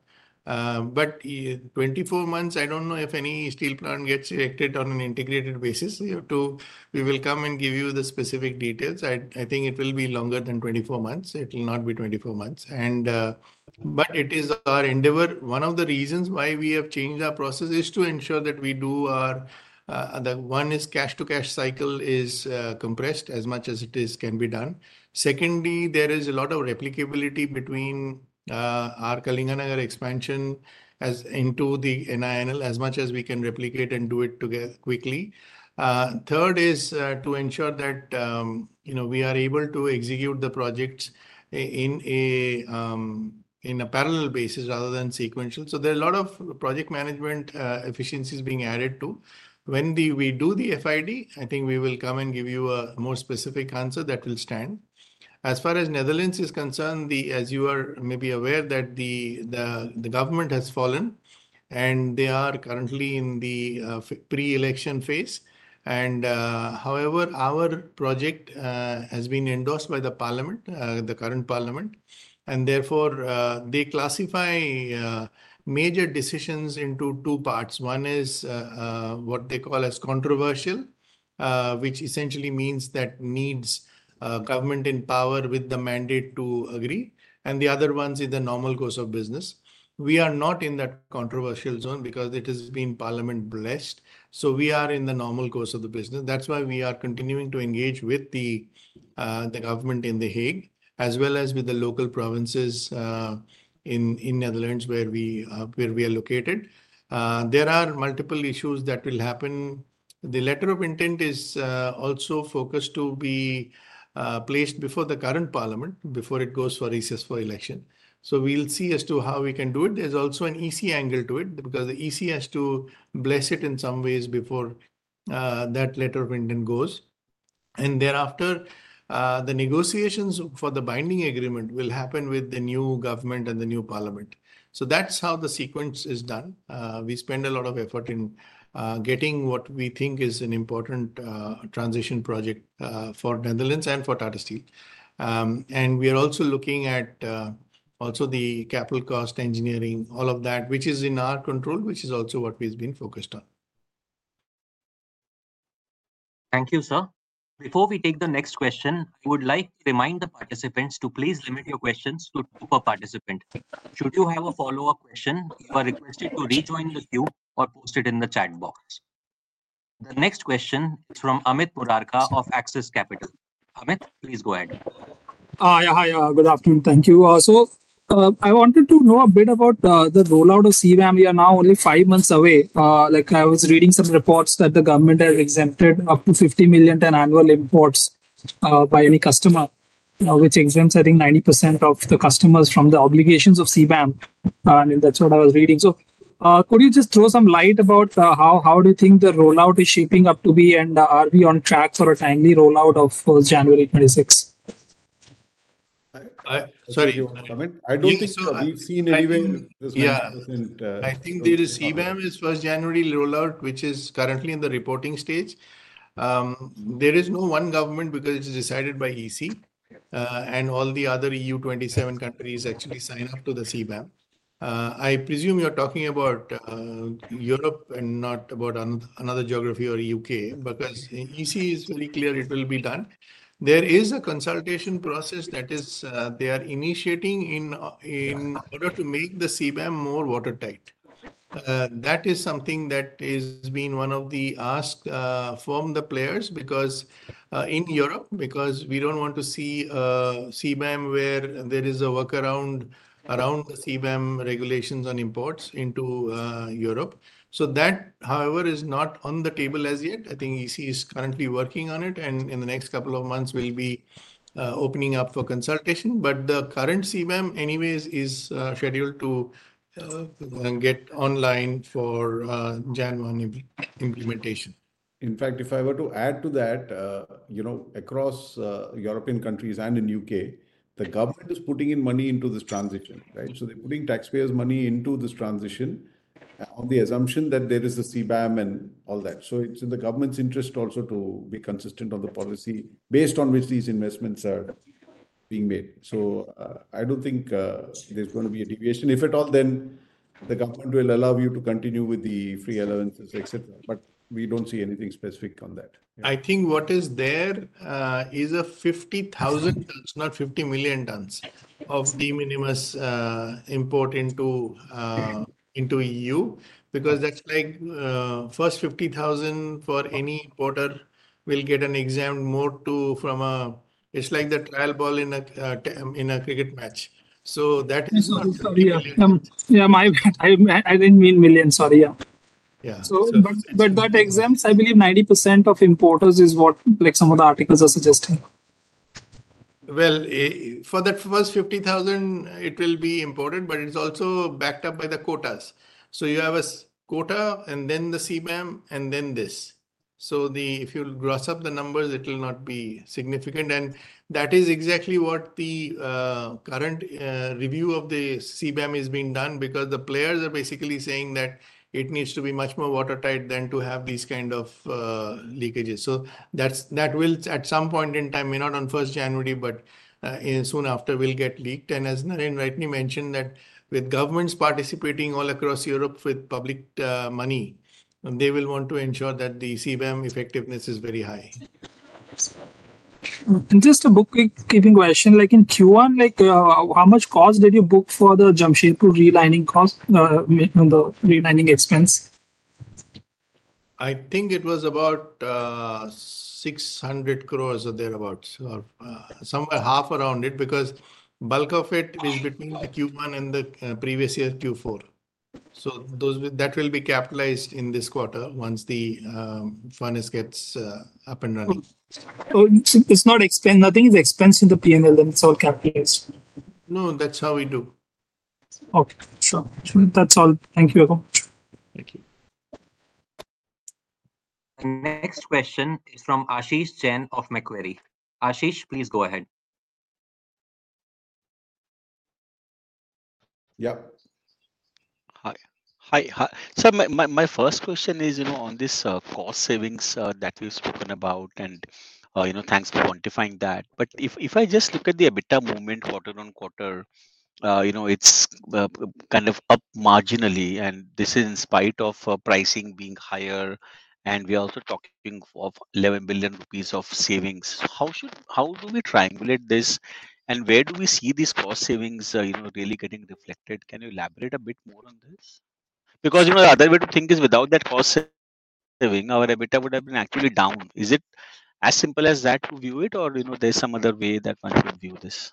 24 months, I don't know if any steel plant gets selected on an integrated basis. We will come and give you the specific details. I think it will be longer than 24 months. It will not be 24 months. It is our endeavor. One of the reasons why we have changed our process is to ensure that we do our cash-to-cash cycle is compressed as much as it can be done. Secondly, there is a lot of replicability between our Kalinganagar expansion into the NINL as much as we can replicate and do it quickly. Third is to ensure that we are able to execute the projects in a parallel basis rather than sequential. There are a lot of project management efficiencies being added to. When we do the FID, I think we will come and give you a more specific answer that will stand. As far as Netherlands is concerned, as you are maybe aware, the government has fallen and they are currently in the pre-election phase. However, our project has been endorsed by the parliament, the current parliament. They classify major decisions into two parts. One is what they call as controversial, which essentially means that needs government in power with the mandate to agree, and the other one is the normal course of business. We are not in that controversial zone because it has been parliament blessed. We are in the normal course of the business. That's why we are continuing to engage with the government in The Hague, as well as with the local provinces in Netherlands where we are located. There are multiple issues that will happen. The letter of intent is also focused to be placed before the current parliament, before it goes for recess for election. We'll see as to how we can do it. There's also an EC angle to it because the EC has to bless it in some ways before that letter of intent goes. Thereafter, the negotiations for the binding agreement will happen with the new government and the new parliament. That's how the sequence is done. We spend a lot of effort in getting what we think is an important transition project for Netherlands and for Tata Steel. We are also looking at the capital cost, engineering, all of that, which is in our control, which is also what we've been focused on. Thank you, sir. Before we take the next question, I would like to remind the participants to please limit your questions to two per participant. Should you have a follow-up question, you are requested to rejoin the queue or post it in the chat box. The next question is from Amit Murarka of Axis Capital. Amit, please go ahead. Hi, good afternoon. Thank you. Also, I wanted to know a bit about the rollout of CBAM. We are now only five months away. I was reading some reports that the government has exempted up to 50 million ton annual imports by any customer, which exempts, I think, 90% of the customers from the obligations of CBAM. That's what I was reading. Could you just throw some light about how do you think the rollout is shaping up to be, and are we on track for a timely rollout of January 2026? Sorry, you want to comment? I don't think so. We've seen anyway. I think the CBAM is first January rollout, which is currently in the reporting stage. There is no one government because it's decided by EC. All the other EU 27 countries actually sign up to the CBAM. I presume you're talking about Europe and not about another geography or U.K. because EC is very clear it will be done. There is a consultation process that they are initiating in order to make the CBAM more watertight. That is something that has been one of the asks from the players in Europe, because we don't want to see CBAM where there is a workaround around the CBAM regulations on imports into Europe. That, however, is not on the table as yet. I think EC is currently working on it, and in the next couple of months, we'll be opening up for consultation. The current CBAM anyways is scheduled to get online for January 1 implementation. In fact, if I were to add to that, across European countries and in the U.K., the government is putting in money into this transition, right? They're putting taxpayers' money into this transition on the assumption that there is a CBAM and all that. It's in the government's interest also to be consistent on the policy based on which these investments are being made. I don't think there's going to be a deviation. If at all, then the government will allow you to continue with the free allowances, etc. We don't see anything specific on that. I think what is there is a 50,000 tons, not 50 million tons of de minimis import into EU, because that's like first 50,000 for any importer will get an exempt, more to from a, it's like the trial ball in a cricket match. That is not, yeah, I didn't mean million, sorry. That exempts, I believe, 90% of importers is what some of the articles are suggesting. For that first 50,000, it will be imported, but it's also backed up by the quotas. You have a quota, and then the CBAM, and then this. If you gross up the numbers, it will not be significant. That is exactly what the current review of the CBAM is being done because the players are basically saying that it needs to be much more watertight than to have these kind of leakages. That will, at some point in time, may not on January 1, but soon after, will get leaked. As Naren mentioned, with governments participating all across Europe with public money, they will want to ensure that the CBAM effectiveness is very high. Just a bookkeeping question. In Q1, how much cost did you book for the Jamshedpur relining cost? On the relining expense. I think it was about 6 billion or thereabouts, or somewhere half around it because bulk of it is between the Q1 and the previous year, Q4. That will be capitalized in this quarter once the furnace gets up and running. It's not expense. Nothing is expense in the P&L, then it's all capitalized. No, that's how we do. Okay. Sure. That's all. Thank you very much. Thank you. Next question is from Ashish Jain of Macquarie. Ashish, please go ahead. Yeah. Hi. Sir, my first question is on this cost savings that we've spoken about, and thanks for quantifying that. If I just look at the EBITDA movement quarter on quarter, it's kind of up marginally, and this is in spite of pricing being higher. We're also talking of 11 billion rupees of savings. How do we triangulate this, and where do we see these cost savings really getting reflected? Can you elaborate a bit more on this? The other way to think is without that cost saving, our EBITDA would have been actually down. Is it as simple as that to view it, or is there some other way that one can view this?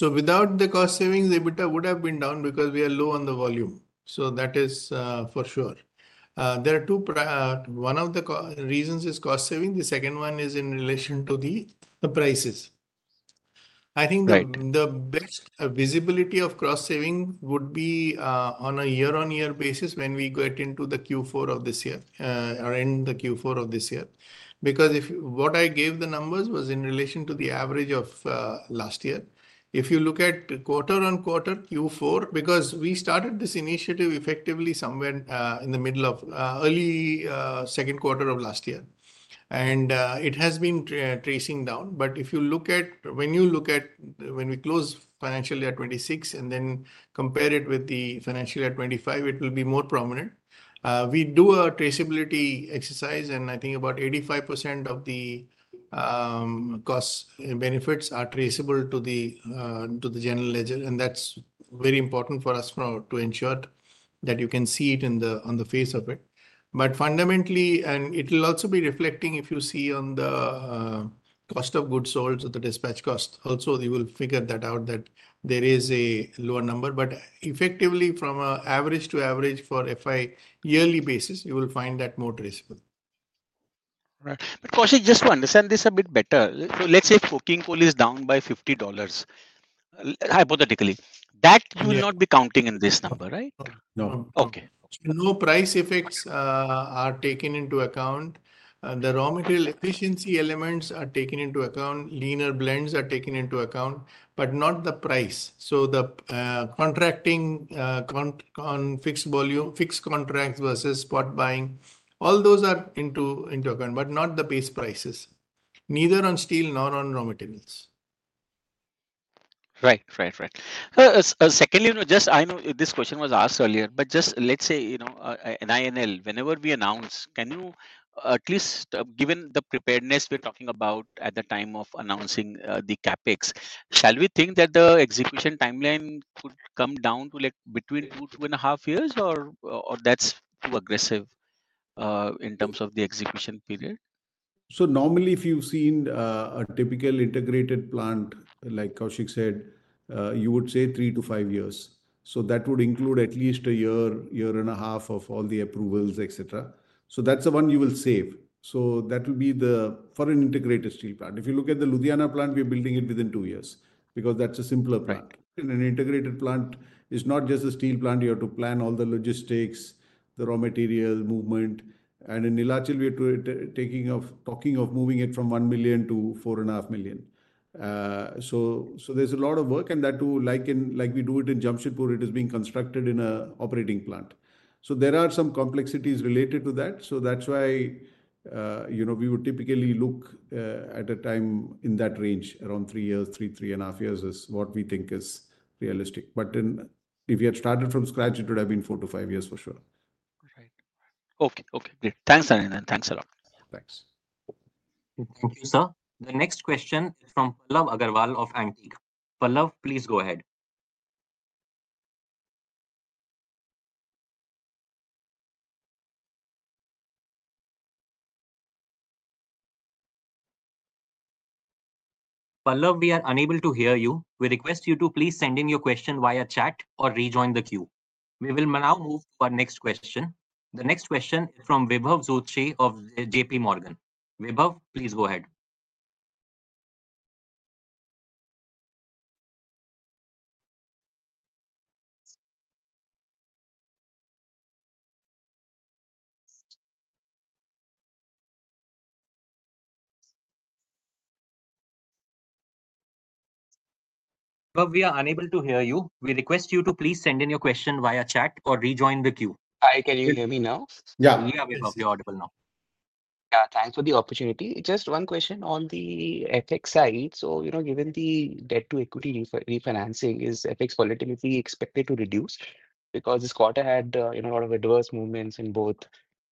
Without the cost savings, EBITDA would have been down because we are low on the volume. That is for sure. There are two. One of the reasons is cost saving. The second one is in relation to the prices. I think the best visibility of cost saving would be on a year-on-year basis when we get into the Q4 of this year or end the Q4 of this year. What I gave the numbers was in relation to the average of last year. If you look at quarter on quarter, Q4, because we started this initiative effectively somewhere in the middle of early second quarter of last year, and it has been tracing down. If you look at when we close financial year 2026 and then compare it with the financial year 2025, it will be more prominent. We do a traceability exercise, and I think about 85% of the cost benefits are traceable to the general ledger. That's very important for us to ensure that you can see it on the face of it. Fundamentally, it will also be reflecting if you see on the cost of goods sold or the dispatch cost. Also, you will figure that out that there is a lower number. Effectively, from an average to average for full yearly basis, you will find that more traceable. Right. But Koushik, just to understand this a bit better, let's say for coking coal is down by $50. Hypothetically, that will not be counting in this number, right? No. No price effects are taken into account. The raw material efficiency elements are taken into account. Leaner blends are taken into account, but not the price. The contracting on fixed volume, fixed contracts versus spot buying, all those are into account, but not the base prices. Neither on steel nor on raw materials. Right, right, right. Secondly, I know this question was asked earlier, but let's say, at NINL, whenever we announce, can you at least, given the preparedness we're talking about at the time of announcing the CapEx, shall we think that the execution timeline could come down to between two and a half years, or that's too aggressive in terms of the execution period? Normally, if you've seen a typical integrated plant, like Koushik said, you would say three to five years. That would include at least a year, year and a half of all the approvals, etc. That's the one you will save. That will be for an integrated steel plant. If you look at the Ludhiana plant, we're building it within two years because that's a simpler plant. An integrated plant is not just a steel plant. You have to plan all the logistics, the raw material movement. In Neelachal, we're talking of moving it from 1 million to 4.5 million. There's a lot of work. Like we do it in Jamshedpur, it is being constructed in an operating plant. There are some complexities related to that. That's why we would typically look at a time in that range, around three years, three, three and a half years is what we think is realistic. If you had started from scratch, it would have been four to five years for sure. Right. Okay, okay. Great. Thanks, Narendran. Thanks a lot. Thanks. Thank you, sir. The next question is from Pallav Agarwal of Antique. Pallav, please go ahead. Pallav, we are unable to hear you. We request you to please send in your question via chat or rejoin the queue. We will now move to our next question. The next question is from Vibhav Zutshi of JPMorgan. Vibhav, please go ahead. Vibhav, we are unable to hear you. We request you to please send in your question via chat or rejoin the queue. Hi, can you hear me now? Yeah. Yeah, Vibhav, you're audible now. Yeah, thanks for the opportunity. Just one question on the FX side. Given the debt-to-equity refinancing, is FX volatility expected to reduce? This quarter had a lot of adverse movements in both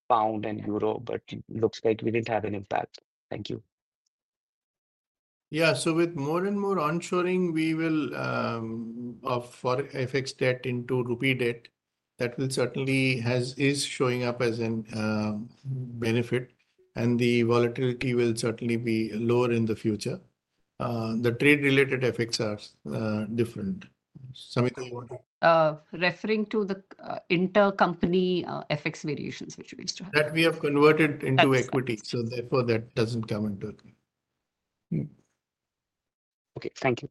pound and euro, but looks like we didn't have an impact. Thank you. With more and more onshoring of FX debt into rupee debt, that will certainly show up as a benefit, and the volatility will certainly be lower in the future. The trade-related FX are different. Are you referring to the intercompany FX variations, which means. That we have converted into equity. Therefore, that doesn't come into account. Okay, thank you.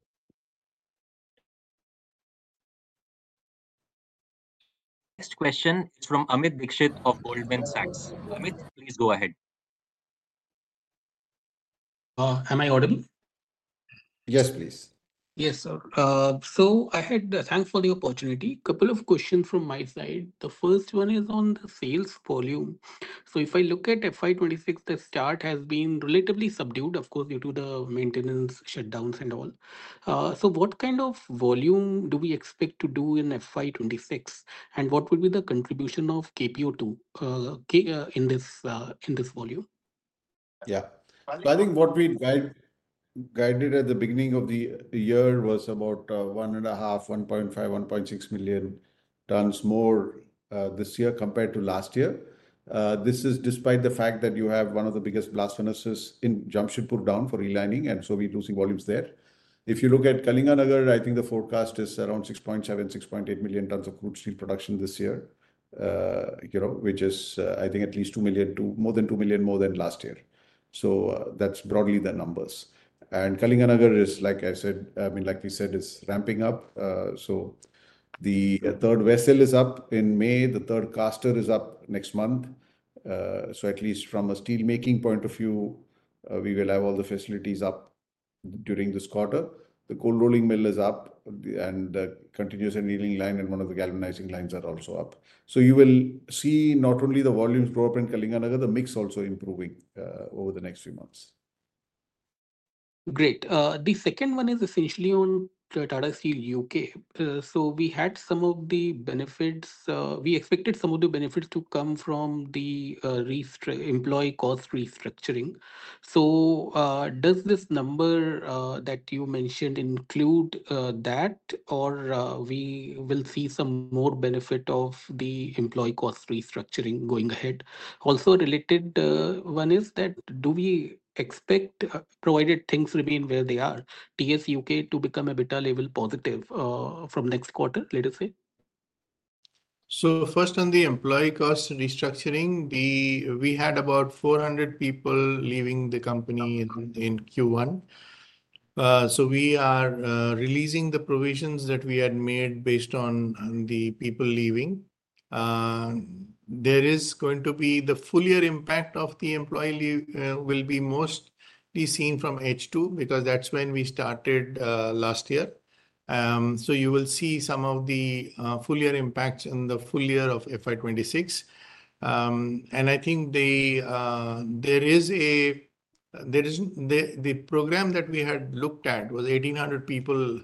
Next question is from Amit Dixit of Goldman Sachs. Amit, please go ahead. Am I audible? Yes, please. Yes, sir. I had the thankful opportunity. A couple of questions from my side. The first one is on the sales volume. If I look at FY 2026, the start has been relatively subdued, of course, due to the maintenance shutdowns and all. What kind of volume do we expect to do in FY 2026? What would be the contribution of KPO2 in this volume? Yeah. I think what we guided at the beginning of the year was about 1.5 million, 1.5 million, 1.6 million tons more this year compared to last year. This is despite the fact that you have one of the biggest blast furnaces in Jamshedpur down for relining, and we're losing volumes there. If you look at Kalinganagar, I think the forecast is around 6.7 million, 6.8 million tons of crude steel production this year, which is, I think, at least 2 million, more than 2 million more than last year. That's broadly the numbers. Kalinganagar is, like I said, I mean, like we said, it's ramping up. The third vessel is up in May. The third caster is up next month. At least from a steelmaking point of view, we will have all the facilities up during this quarter. The cold rolling mill is up, and the continuous annealing line and one of the galvanizing lines are also up. You will see not only the volumes grow up in Kalinganagar, the mix also improving over the next few months. Great. The second one is essentially on Tata Steel U.K. We had some of the benefits. We expected some of the benefits to come from the employee cost restructuring. Does this number that you mentioned include that, or will we see some more benefit of the employee cost restructuring going ahead? Also, a related one is that do we expect, provided things remain where they are, TSUK to become EBITDA level positive from next quarter, let us say? First, on the employee cost restructuring. We had about 400 people leaving the company in Q1. We are releasing the provisions that we had made based on the people leaving. There is going to be the full year impact of the employee will be mostly seen from H2 because that's when we started last year. You will see some of the full year impacts in the full year of FY 2026. I think the program that we had looked at was 1,800 people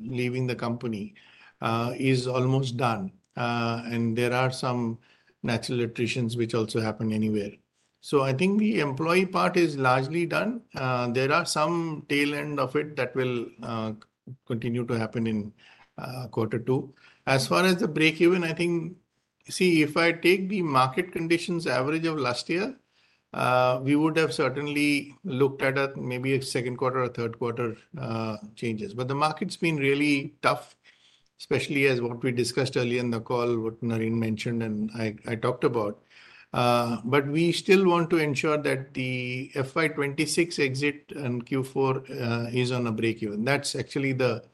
leaving the company. Is almost done. There are some natural attritions which also happen anywhere. I think the employee part is largely done. There are some tail end of it that will continue to happen in quarter two. As far as the breakeven, if I take the market conditions average of last year, we would have certainly looked at maybe a second quarter or third quarter changes. The market's been really tough, especially as what we discussed earlier in the call, what Naren mentioned and I talked about. We still want to ensure that the FY 2026 exit and Q4 is on a breakeven. That's actually the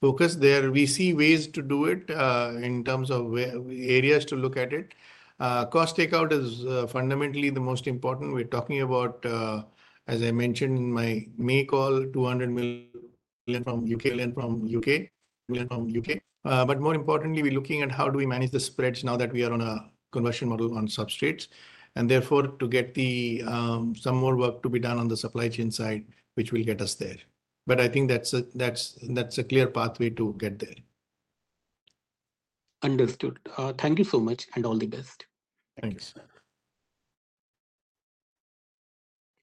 focus there. We see ways to do it in terms of areas to look at it. Cost takeout is fundamentally the most important. We're talking about, as I mentioned in my May call, 200 million from U.K.., million from U.K., million from U.K. More importantly, we're looking at how do we manage the spreads now that we are on a conversion model on substrates. Therefore, to get the some more work to be done on the supply chain side, which will get us there. I think that's a clear pathway to get there. Understood. Thank you so much and all the best. Thanks Amit.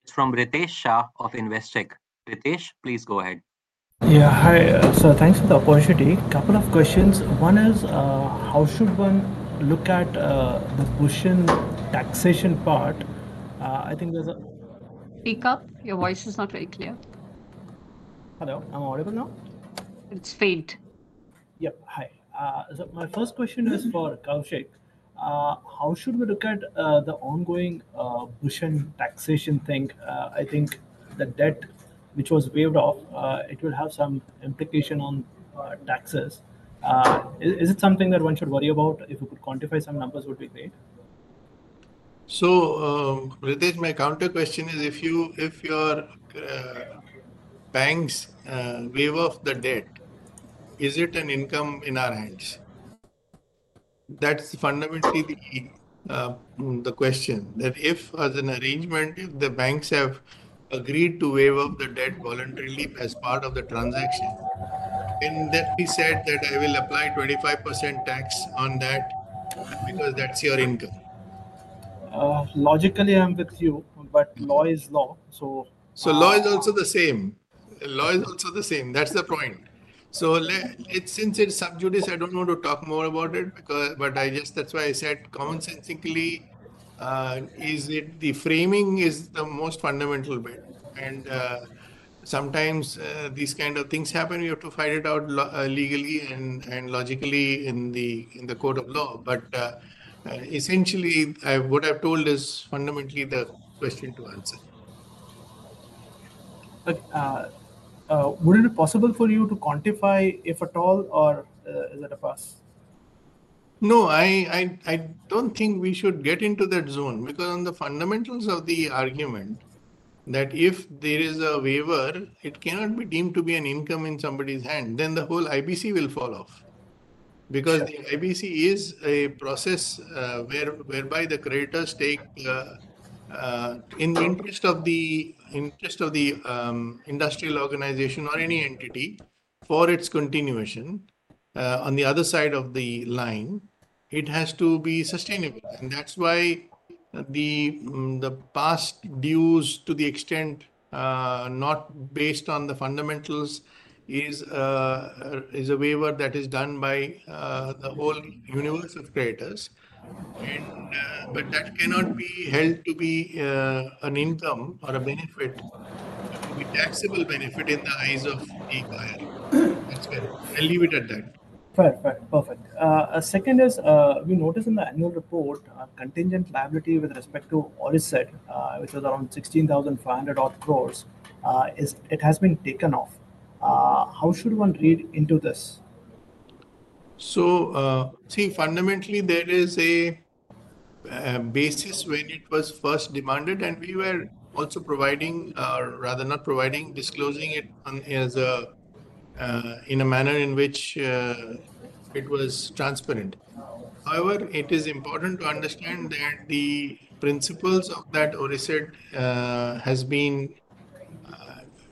It's from Ritesh Shah of Investec. Ritesh, please go ahead. Yeah, hi. Thanks for the opportunity. Couple of questions. One is, how should one look at the Bhushan taxation part? I think there's a. Speak up. Your voice is not very clear. Hello. Am I audible now? It's faint. Yep. Hi. My first question is for Koushik. How should we look at the ongoing Bhushan taxation thing? I think the debt, which was waived off, it will have some implication on taxes. Is it something that one should worry about? If we could quantify some numbers, it would be great. Ritesh, my counter question is, if your banks waive off the debt, is it an income in our hands? That's fundamentally the question. If, as an arrangement, the banks have agreed to waive off the debt voluntarily as part of the transaction, can it then be said that I will apply 25% tax on that because that's your income? Logically, I'm with you, but law is law. Law is also the same. That's the point. Since it's sub judice, I don't want to talk more about it, but I guess that's why I said common sensically. The framing is the most fundamental bit. Sometimes these kind of things happen. We have to fight it out legally and logically in the court of law. Essentially, what I've told is fundamentally the question to answer. Would it be possible for you to quantify, if at all, or is it a pass? No, I don't think we should get into that zone because on the fundamentals of the argument that if there is a waiver, it cannot be deemed to be an income in somebody's hand, then the whole IBC will fall off. The IBC is a process whereby the creditors take, in the interest of the industrial organization or any entity, for its continuation. On the other side of the line, it has to be sustainable. That's why the past dues, to the extent not based on the fundamentals, is a waiver that is done by the whole universe of creditors. That cannot be held to be an income or a benefit. It can be a taxable benefit in the eyes of the buyer. That's very good. I'll leave it at that. Perfect. Perfect. Perfect. Second is, we noticed in the annual report, contingent liability with respect to Oriset, which was around 165 billion. It has been taken off. How should one read into this? Fundamentally, there is a basis when it was first demanded, and we were also providing, or rather not providing, disclosing it in a manner in which it was transparent. However, it is important to understand that the principles of that Oriset have been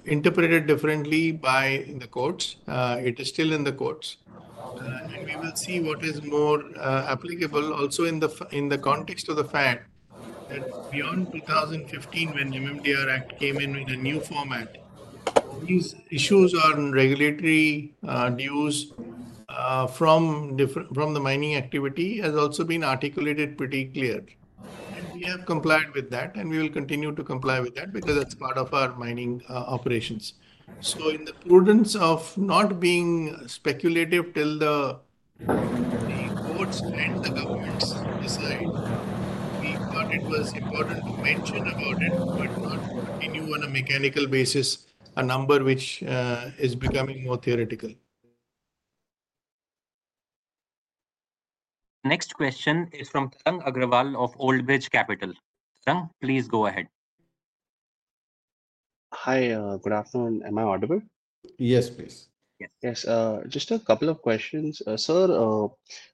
interpreted differently by the courts. It is still in the courts, and we will see what is more applicable also in the context of the fact that beyond 2015, when the MMDR Act came in with a new format, these issues on regulatory dues from the mining activity have also been articulated pretty clear. We have complied with that, and we will continue to comply with that because it's part of our mining operations. In the prudence of not being speculative till the courts and the governments decide, we thought it was important to mention about it, but not continue on a mechanical basis a number which is becoming more theoretical. Next question is from Tarang Agrawal of Old Bridge Capital. Tarang, please go ahead. Hi, good afternoon. Am I audible? Yes, please. Yes. Just a couple of questions. Sir,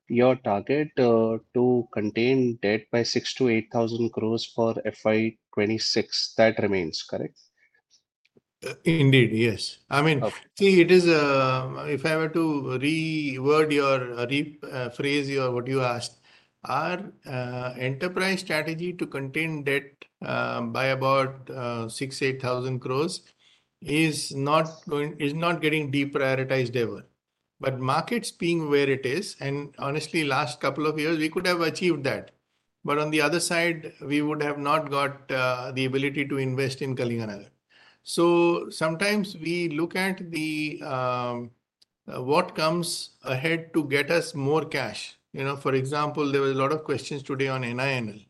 your target to contain debt by 60 billion-80 billion for FY 2026, that remains, correct? Indeed, yes. I mean, see, if I were to reword your phrase, what you asked, our enterprise strategy to contain debt by about 60 billion-80 billion is not getting deprioritized ever. Markets being where it is, and honestly, last couple of years, we could have achieved that. On the other side, we would have not got the ability to invest in Kalinganagar. Sometimes we look at what comes ahead to get us more cash. For example, there were a lot of questions today on NINL.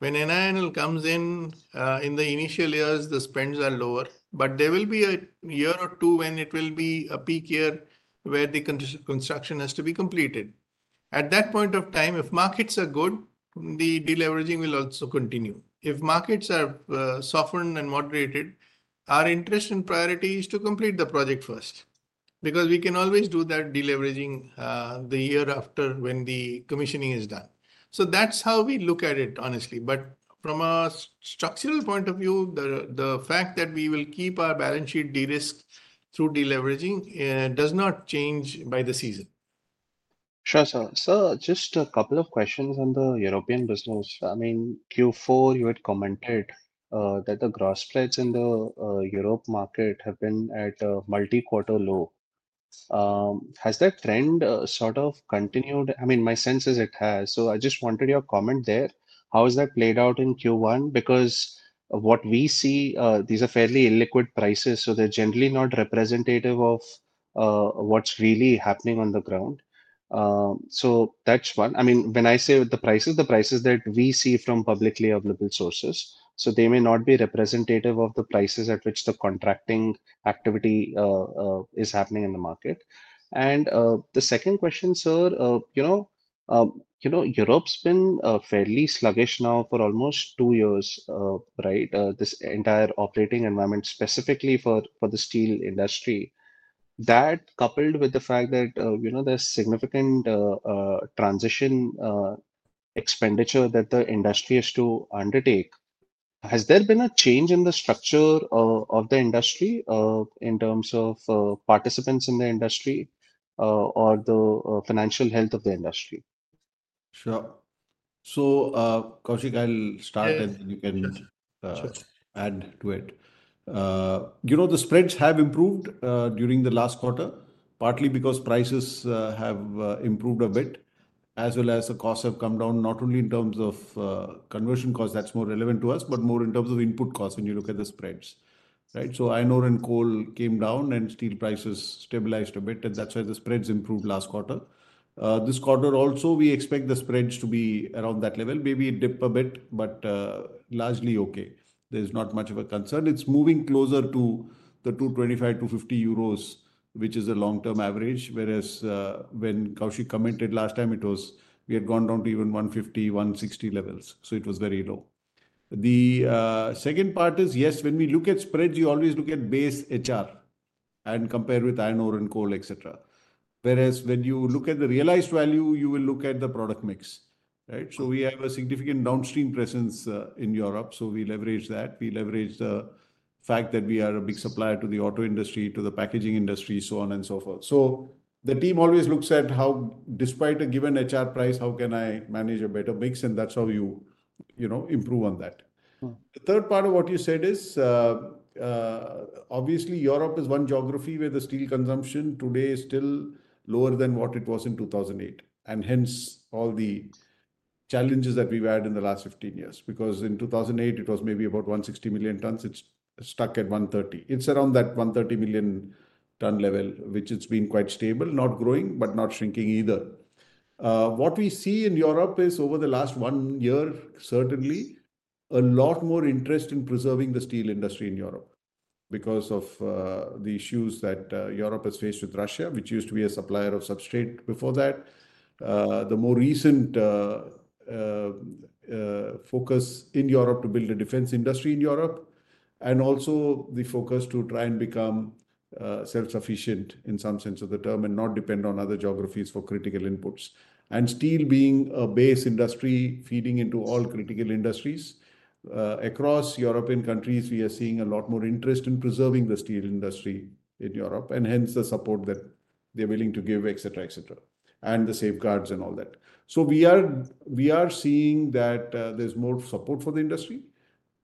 When NINL comes in, in the initial years, the spends are lower, but there will be a year or two when it will be a peak year where the construction has to be completed. At that point of time, if markets are good, the deleveraging will also continue. If markets are softened and moderated, our interest and priority is to complete the project first because we can always do that deleveraging the year after when the commissioning is done. That's how we look at it, honestly. From a structural point of view, the fact that we will keep our balance sheet de-risked through deleveraging does not change by the season. Sure, sir. Sir, just a couple of questions on the European business. I mean, Q4, you had commented that the gross spreads in the Europe market have been at a multi-quarter low. Has that trend sort of continued? My sense is it has. I just wanted your comment there. How has that played out in Q1? What we see, these are fairly illiquid prices, so they're generally not representative of what's really happening on the ground. That's one. When I say the prices, the prices that we see from publicly available sources, they may not be representative of the prices at which the contracting activity is happening in the market. The second question, sir. Europe's been fairly sluggish now for almost two years, right? This entire operating environment, specifically for the steel industry, that coupled with the fact that there's significant transition expenditure that the industry has to undertake. Has there been a change in the structure of the industry in terms of participants in the industry or the financial health of the industry? Sure. So Koushik, I'll start and then you can add to it. The spreads have improved during the last quarter, partly because prices have improved a bit, as well as the costs have come down, not only in terms of conversion cost, that's more relevant to us, but more in terms of input costs when you look at the spreads, right? Iron ore and coal came down, and steel prices stabilized a bit, and that's why the spreads improved last quarter. This quarter, also, we expect the spreads to be around that level. Maybe it dipped a bit, but largely okay. There's not much of a concern. It's moving closer to the 225, 250 euros, which is a long-term average, whereas when Koushik commented last time, we had gone down to even 150, 160 levels. It was very low. The second part is, yes, when we look at spreads, you always look at base HR and compare with iron ore and coal, etc. When you look at the realized value, you will look at the product mix, right? We have a significant downstream presence in Europe, so we leverage that. We leverage the fact that we are a big supplier to the auto industry, to the packaging industry, so on and so forth. The team always looks at how, despite a given HR price, how can I manage a better mix, and that's how you improve on that. The third part of what you said is, obviously, Europe is one geography where the steel consumption today is still lower than what it was in 2008, and hence all the challenges that we've had in the last 15 years. In 2008, it was maybe about 160 million tons. It's stuck at 130 million. It's around that 130 million ton level, which it's been quite stable, not growing, but not shrinking either. What we see in Europe is, over the last one year, certainly a lot more interest in preserving the steel industry in Europe because of the issues that Europe has faced with Russia, which used to be a supplier of substrate before that. The more recent focus in Europe to build a defense industry in Europe, and also the focus to try and become self-sufficient in some sense of the term and not depend on other geographies for critical inputs. Steel being a base industry feeding into all critical industries, across European countries, we are seeing a lot more interest in preserving the steel industry in Europe, and hence the support that they're willing to give, etc., and the safeguards and all that. We are seeing that there's more support for the industry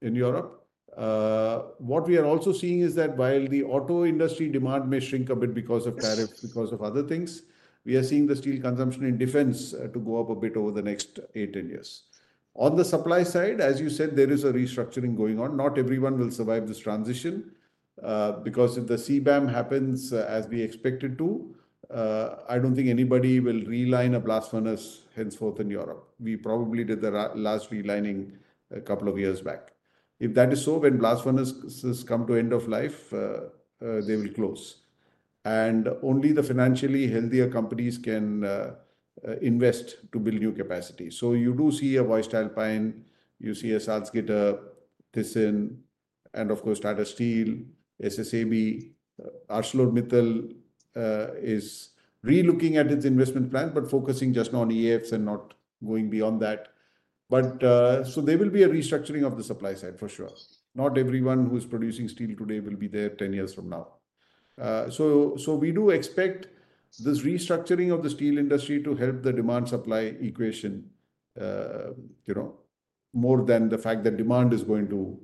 in Europe. What we are also seeing is that while the auto industry demand may shrink a bit because of tariffs, because of other things, we are seeing the steel consumption in defense to go up a bit over the next 8, 10 years. On the supply side, as you said, there is a restructuring going on. Not everyone will survive this transition. If the CBAM happens as we expect it to, I don't think anybody will realign a blast furnace henceforth in Europe. We probably did the last realigning a couple of years back. If that is so, when blast furnaces come to end of life, they will close. Only the financially healthier companies can invest to build new capacity. You do see a Voestalpine, you see a Salzgitter, Thyssen, and of course, Tata Steel, SSAB, ArcelorMittal is re-looking at its investment plan, but focusing just on EAFs and not going beyond that. There will be a restructuring of the supply side, for sure. Not everyone who is producing steel today will be there 10 years from now. We do expect this restructuring of the steel industry to help the demand-supply equation more than the fact that demand is going to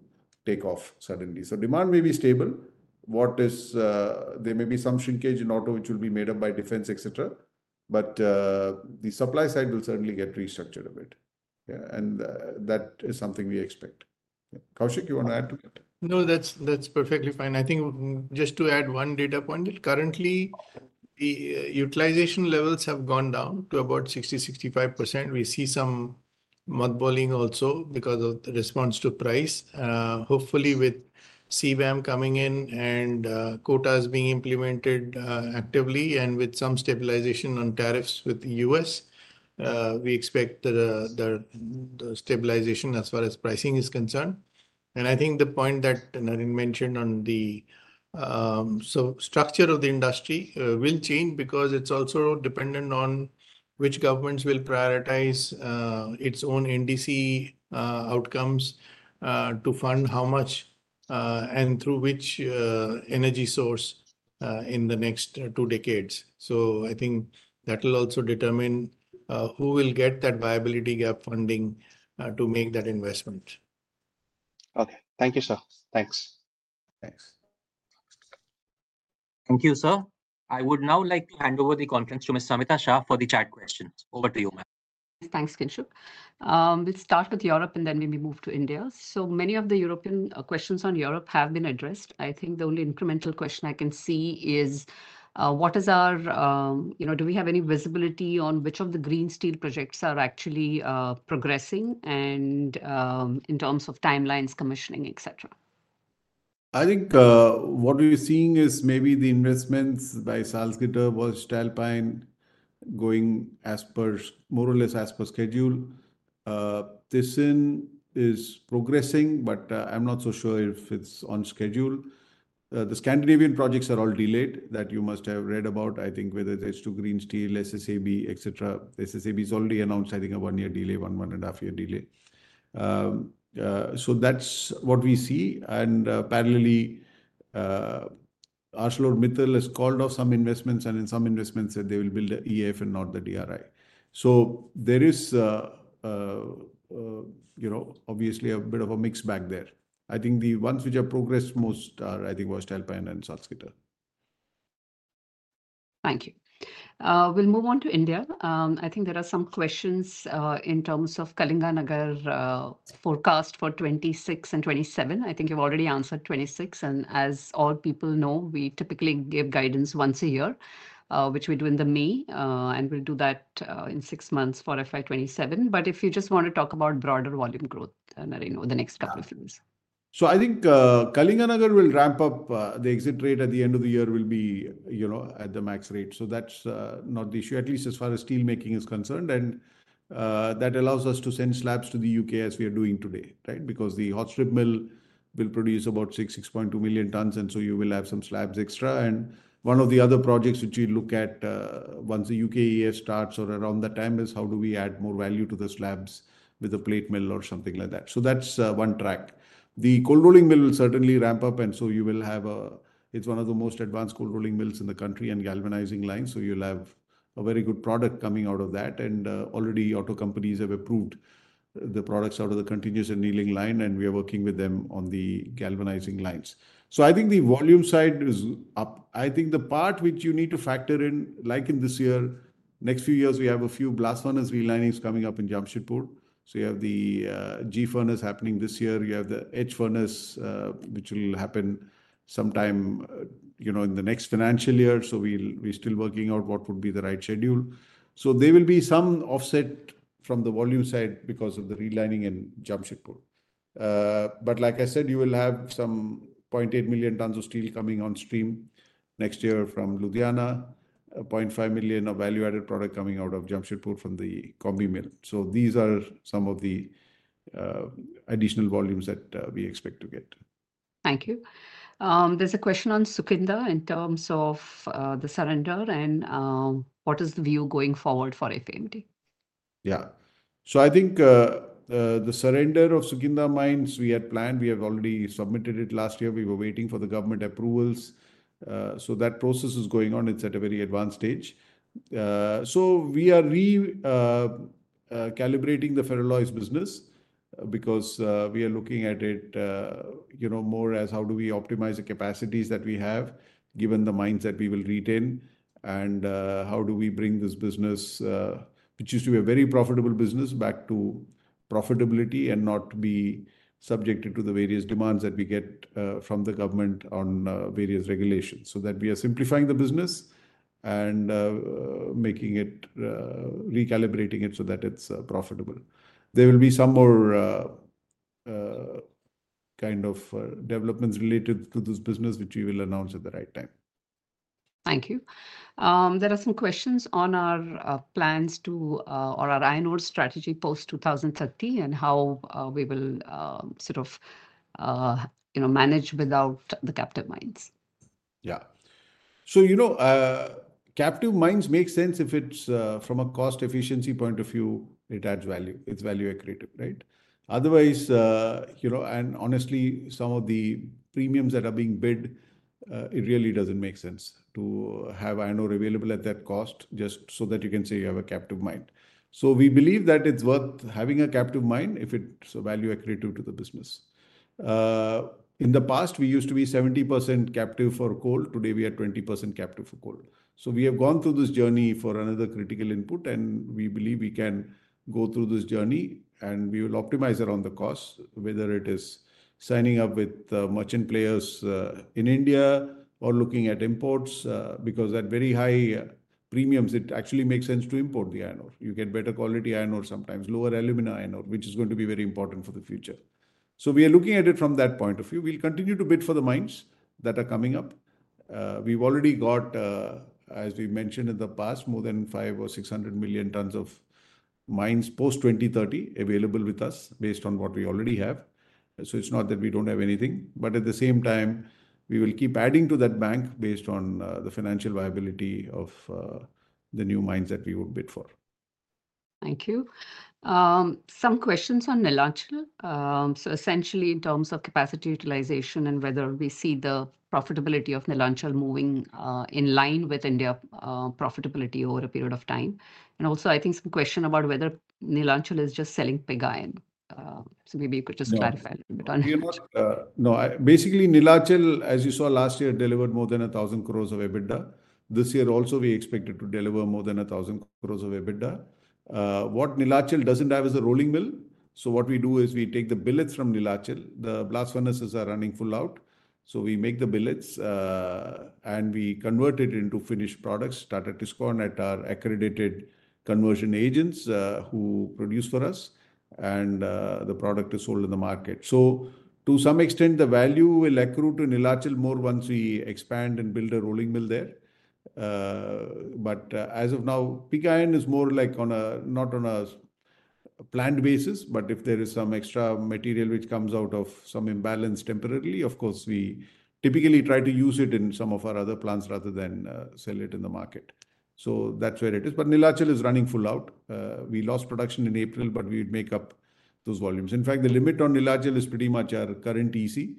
take off suddenly. Demand may be stable. There may be some shrinkage in auto, which will be made up by defense, etc. The supply side will certainly get restructured a bit, and that is something we expect. Koushik, you want to add to that? No, that's perfectly fine. I think just to add one data point, currently the utilization levels have gone down to about 60%-65%. We see some mudballing also because of the response to price. Hopefully, with CBAM coming in and quotas being implemented actively and with some stabilization on tariffs with the U.S., we expect stabilization as far as pricing is concerned. I think the point that Naren mentioned on the structure of the industry will change because it's also dependent on which governments will prioritize its own NDC outcomes to fund how much and through which energy source in the next two decades. I think that will also determine who will get that viability gap funding to make that investment. Thank you, sir. Thanks. Thank you, sir. I would now like to hand over the conference to Ms. Samita Shah for the chat questions. Over to you, ma'am. Thanks, Kinshuk. We'll start with Europe, and then we may move to India. Many of the questions on Europe have been addressed. I think the only incremental question I can see is, do we have any visibility on which of the green steel projects are actually progressing and in terms of timelines, commissioning, etc.? I think what we're seeing is maybe the investments by Salzgitter, Voestalpine going more or less as per schedule. Thyssen is progressing, but I'm not so sure if it's on schedule. The Scandinavian projects are all delayed that you must have read about, I think, whether it's to green steel, SSAB, etc. SSAB has already announced, I think, a one-year delay, one and a half-year delay. That's what we see. Parallelly. ArcelorMittal has called off some investments, and in some investments, they will build an EAF and not the DRI. There is obviously a bit of a mix back there. I think the ones which have progressed most are, I think, Voestalpine and Salzgitter. Thank you. We'll move on to India. I think there are some questions in terms of Kalinganagar. Forecast for 2026 and 2027. I think you've already answered 2026. As all people know, we typically give guidance once a year, which we do in May, and we'll do that in six months for FY 2027. If you just want to talk about broader volume growth, Naren, over the next couple of years. I think Kalinganagar will ramp up. The exit rate at the end of the year will be at the max rate. That's not the issue, at least as far as steelmaking is concerned. That allows us to send slabs to the U.K. as we are doing today, right? The hot strip mill will produce about 6 million, 6.2 million tons, so you will have some slabs extra. One of the other projects which we look at once the U.K. EAF starts or around that time is how do we add more value to the slabs with a plate mill or something like that. That's one track. The cold rolling mill will certainly ramp up, and it's one of the most advanced cold rolling mills in the country and galvanizing lines. You'll have a very good product coming out of that. Already auto companies have approved the products out of the continuous annealing line, and we are working with them on the galvanizing lines. I think the volume side is up. The part which you need to factor in, like in this year, next few years, we have a few blast furnace relinings coming up in Jamshedpur. You have the G furnace happening this year. You have the H furnace, which will happen sometime in the next financial year. We're still working out what would be the right schedule. There will be some offset from the volume side because of the relining in Jamshedpur. Like I said, you will have some 0.8 million tons of steel coming on stream next year from Ludhiana, 0.5 million of value-added product coming out of Jamshedpur from the combi mill. These are some of the additional volumes that we expect to get. Thank you. There's a question on Sukinda in terms of the surrender and what is the view going forward for FAMD. I think the surrender of Sukinda Mines we had planned. We have already submitted it last year. We were waiting for the government approvals. That process is going on. It's at a very advanced stage. We are calibrating the ferroalloy business because we are looking at it more as how do we optimize the capacities that we have, given the mines that we will retain, and how do we bring this business, which used to be a very profitable business, back to profitability and not be subjected to the various demands that we get from the government on various regulations. We are simplifying the business and recalibrating it so that it's profitable. There will be some more developments related to this business, which we will announce at the right time. Thank you. There are some questions on our plans to, or our iron ore strategy post-2030 and how we will sort of manage without the captive mines. Captive mines make sense if it's from a cost efficiency point of view, it adds value. It's value accretive, right? Otherwise, and honestly, some of the premiums that are being bid, it really doesn't make sense to have iron ore available at that cost just so that you can say you have a captive mine. We believe that it's worth having a captive mine if it's value accretive to the business. In the past, we used to be 70% captive for coal. Today, we are 20% captive for coal. We have gone through this journey for another critical input, and we believe we can go through this journey, and we will optimize around the cost, whether it is signing up with merchant players in India or looking at imports, because at very high premiums, it actually makes sense to import the iron ore. You get better quality iron ore, sometimes lower aluminum iron ore, which is going to be very important for the future. We are looking at it from that point of view. We'll continue to bid for the mines that are coming up. We've already got, as we mentioned in the past, more than 500 million or 600 million tons of mines post-2030 available with us based on what we already have. It's not that we don't have anything, but at the same time, we will keep adding to that bank based on the financial viability of the new mines that we would bid for. Thank you. Some questions on Neelachal. Essentially, in terms of capacity utilization and whether we see the profitability of Neelachal moving in line with India profitability over a period of time. Also, I think some question about whether Neelachal is just selling pig iron. Maybe you could just clarify a little bit on it. No, basically, Neelachal, as you saw last year, delivered more than 10 billion of EBITDA. This year also, we expect it to deliver more than 10 billion of EBITDA. What Neelachal doesn't have is a rolling mill. What we do is we take the billets from Neelachal. The blast furnaces are running full out. We make the billets, and we convert it into finished products, started to score at our accredited conversion agents who produce for us, and the product is sold in the market. To some extent, the value will accrue to Neelachal more once we expand and build a rolling mill there. As of now, pig iron is more like on a, not on a planned basis, but if there is some extra material which comes out of some imbalance temporarily, of course, we typically try to use it in some of our other plants rather than sell it in the market. That's where it is. Neelachal is running full out. We lost production in April, but we would make up those volumes. In fact, the limit on Neelachal is pretty much our current EC,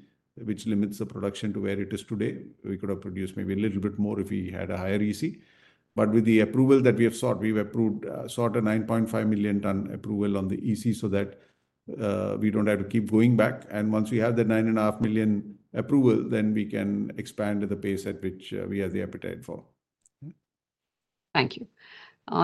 which limits the production to where it is today. We could have produced maybe a little bit more if we had a higher EC. With the approval that we have sought, we've sought a 9.5 million ton approval on the EC so that we don't have to keep going back. Once we have the 9.5 million approval, then we can expand at the pace at which we have the appetite for. Thank you.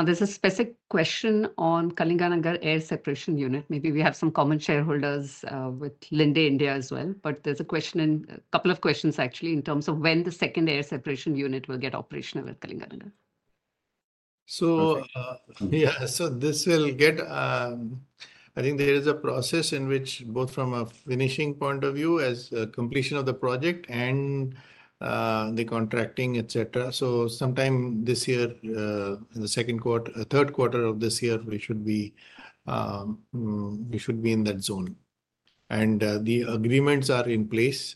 There's a specific question on Kalinganagar air separation unit. Maybe we have some common shareholders with Linde India as well, but there's a question, a couple of questions actually, in terms of when the second air separation unit will get operational at Kalinganagar. This will get, I think there is a process in which both from a finishing point of view, as a completion of the project and the contracting, etc. Sometime this year, in the second quarter, third quarter of this year, we should be in that zone. The agreements are in place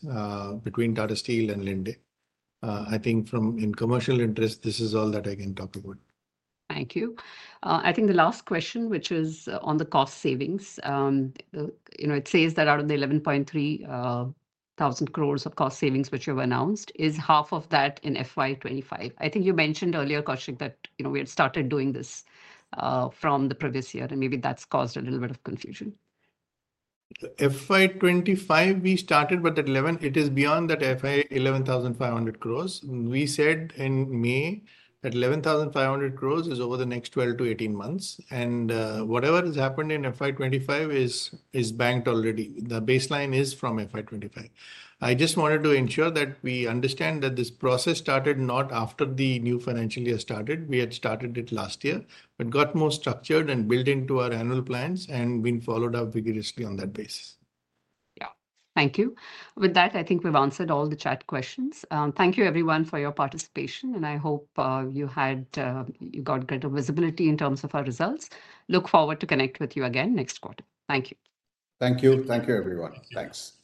between Tata Steel and Linde. I think from a commercial interest, this is all that I can talk about. Thank you. I think the last question, which is on the cost savings. It says that out of the 113 billion of cost savings which you have announced, is half of that in FY 2025? I think you mentioned earlier, Koushik, that we had started doing this from the previous year, and maybe that's caused a little bit of confusion. FY 2025, we started with that 11. It is beyond that FY 115 billion. We said in May that 115 billion is over the next 12-18 months. Whatever has happened in FY 2025 is banked already. The baseline is from FY 2025. I just wanted to ensure that we understand that this process started not after the new financial year started. We had started it last year, but got more structured and built into our annual plans and been followed up vigorously on that basis. Thank you. With that, I think we've answered all the chat questions. Thank you, everyone, for your participation, and I hope you got greater visibility in terms of our results. Look forward to connect with you again next quarter. Thank you. Thank you. Thank you, everyone. Thanks. Bye.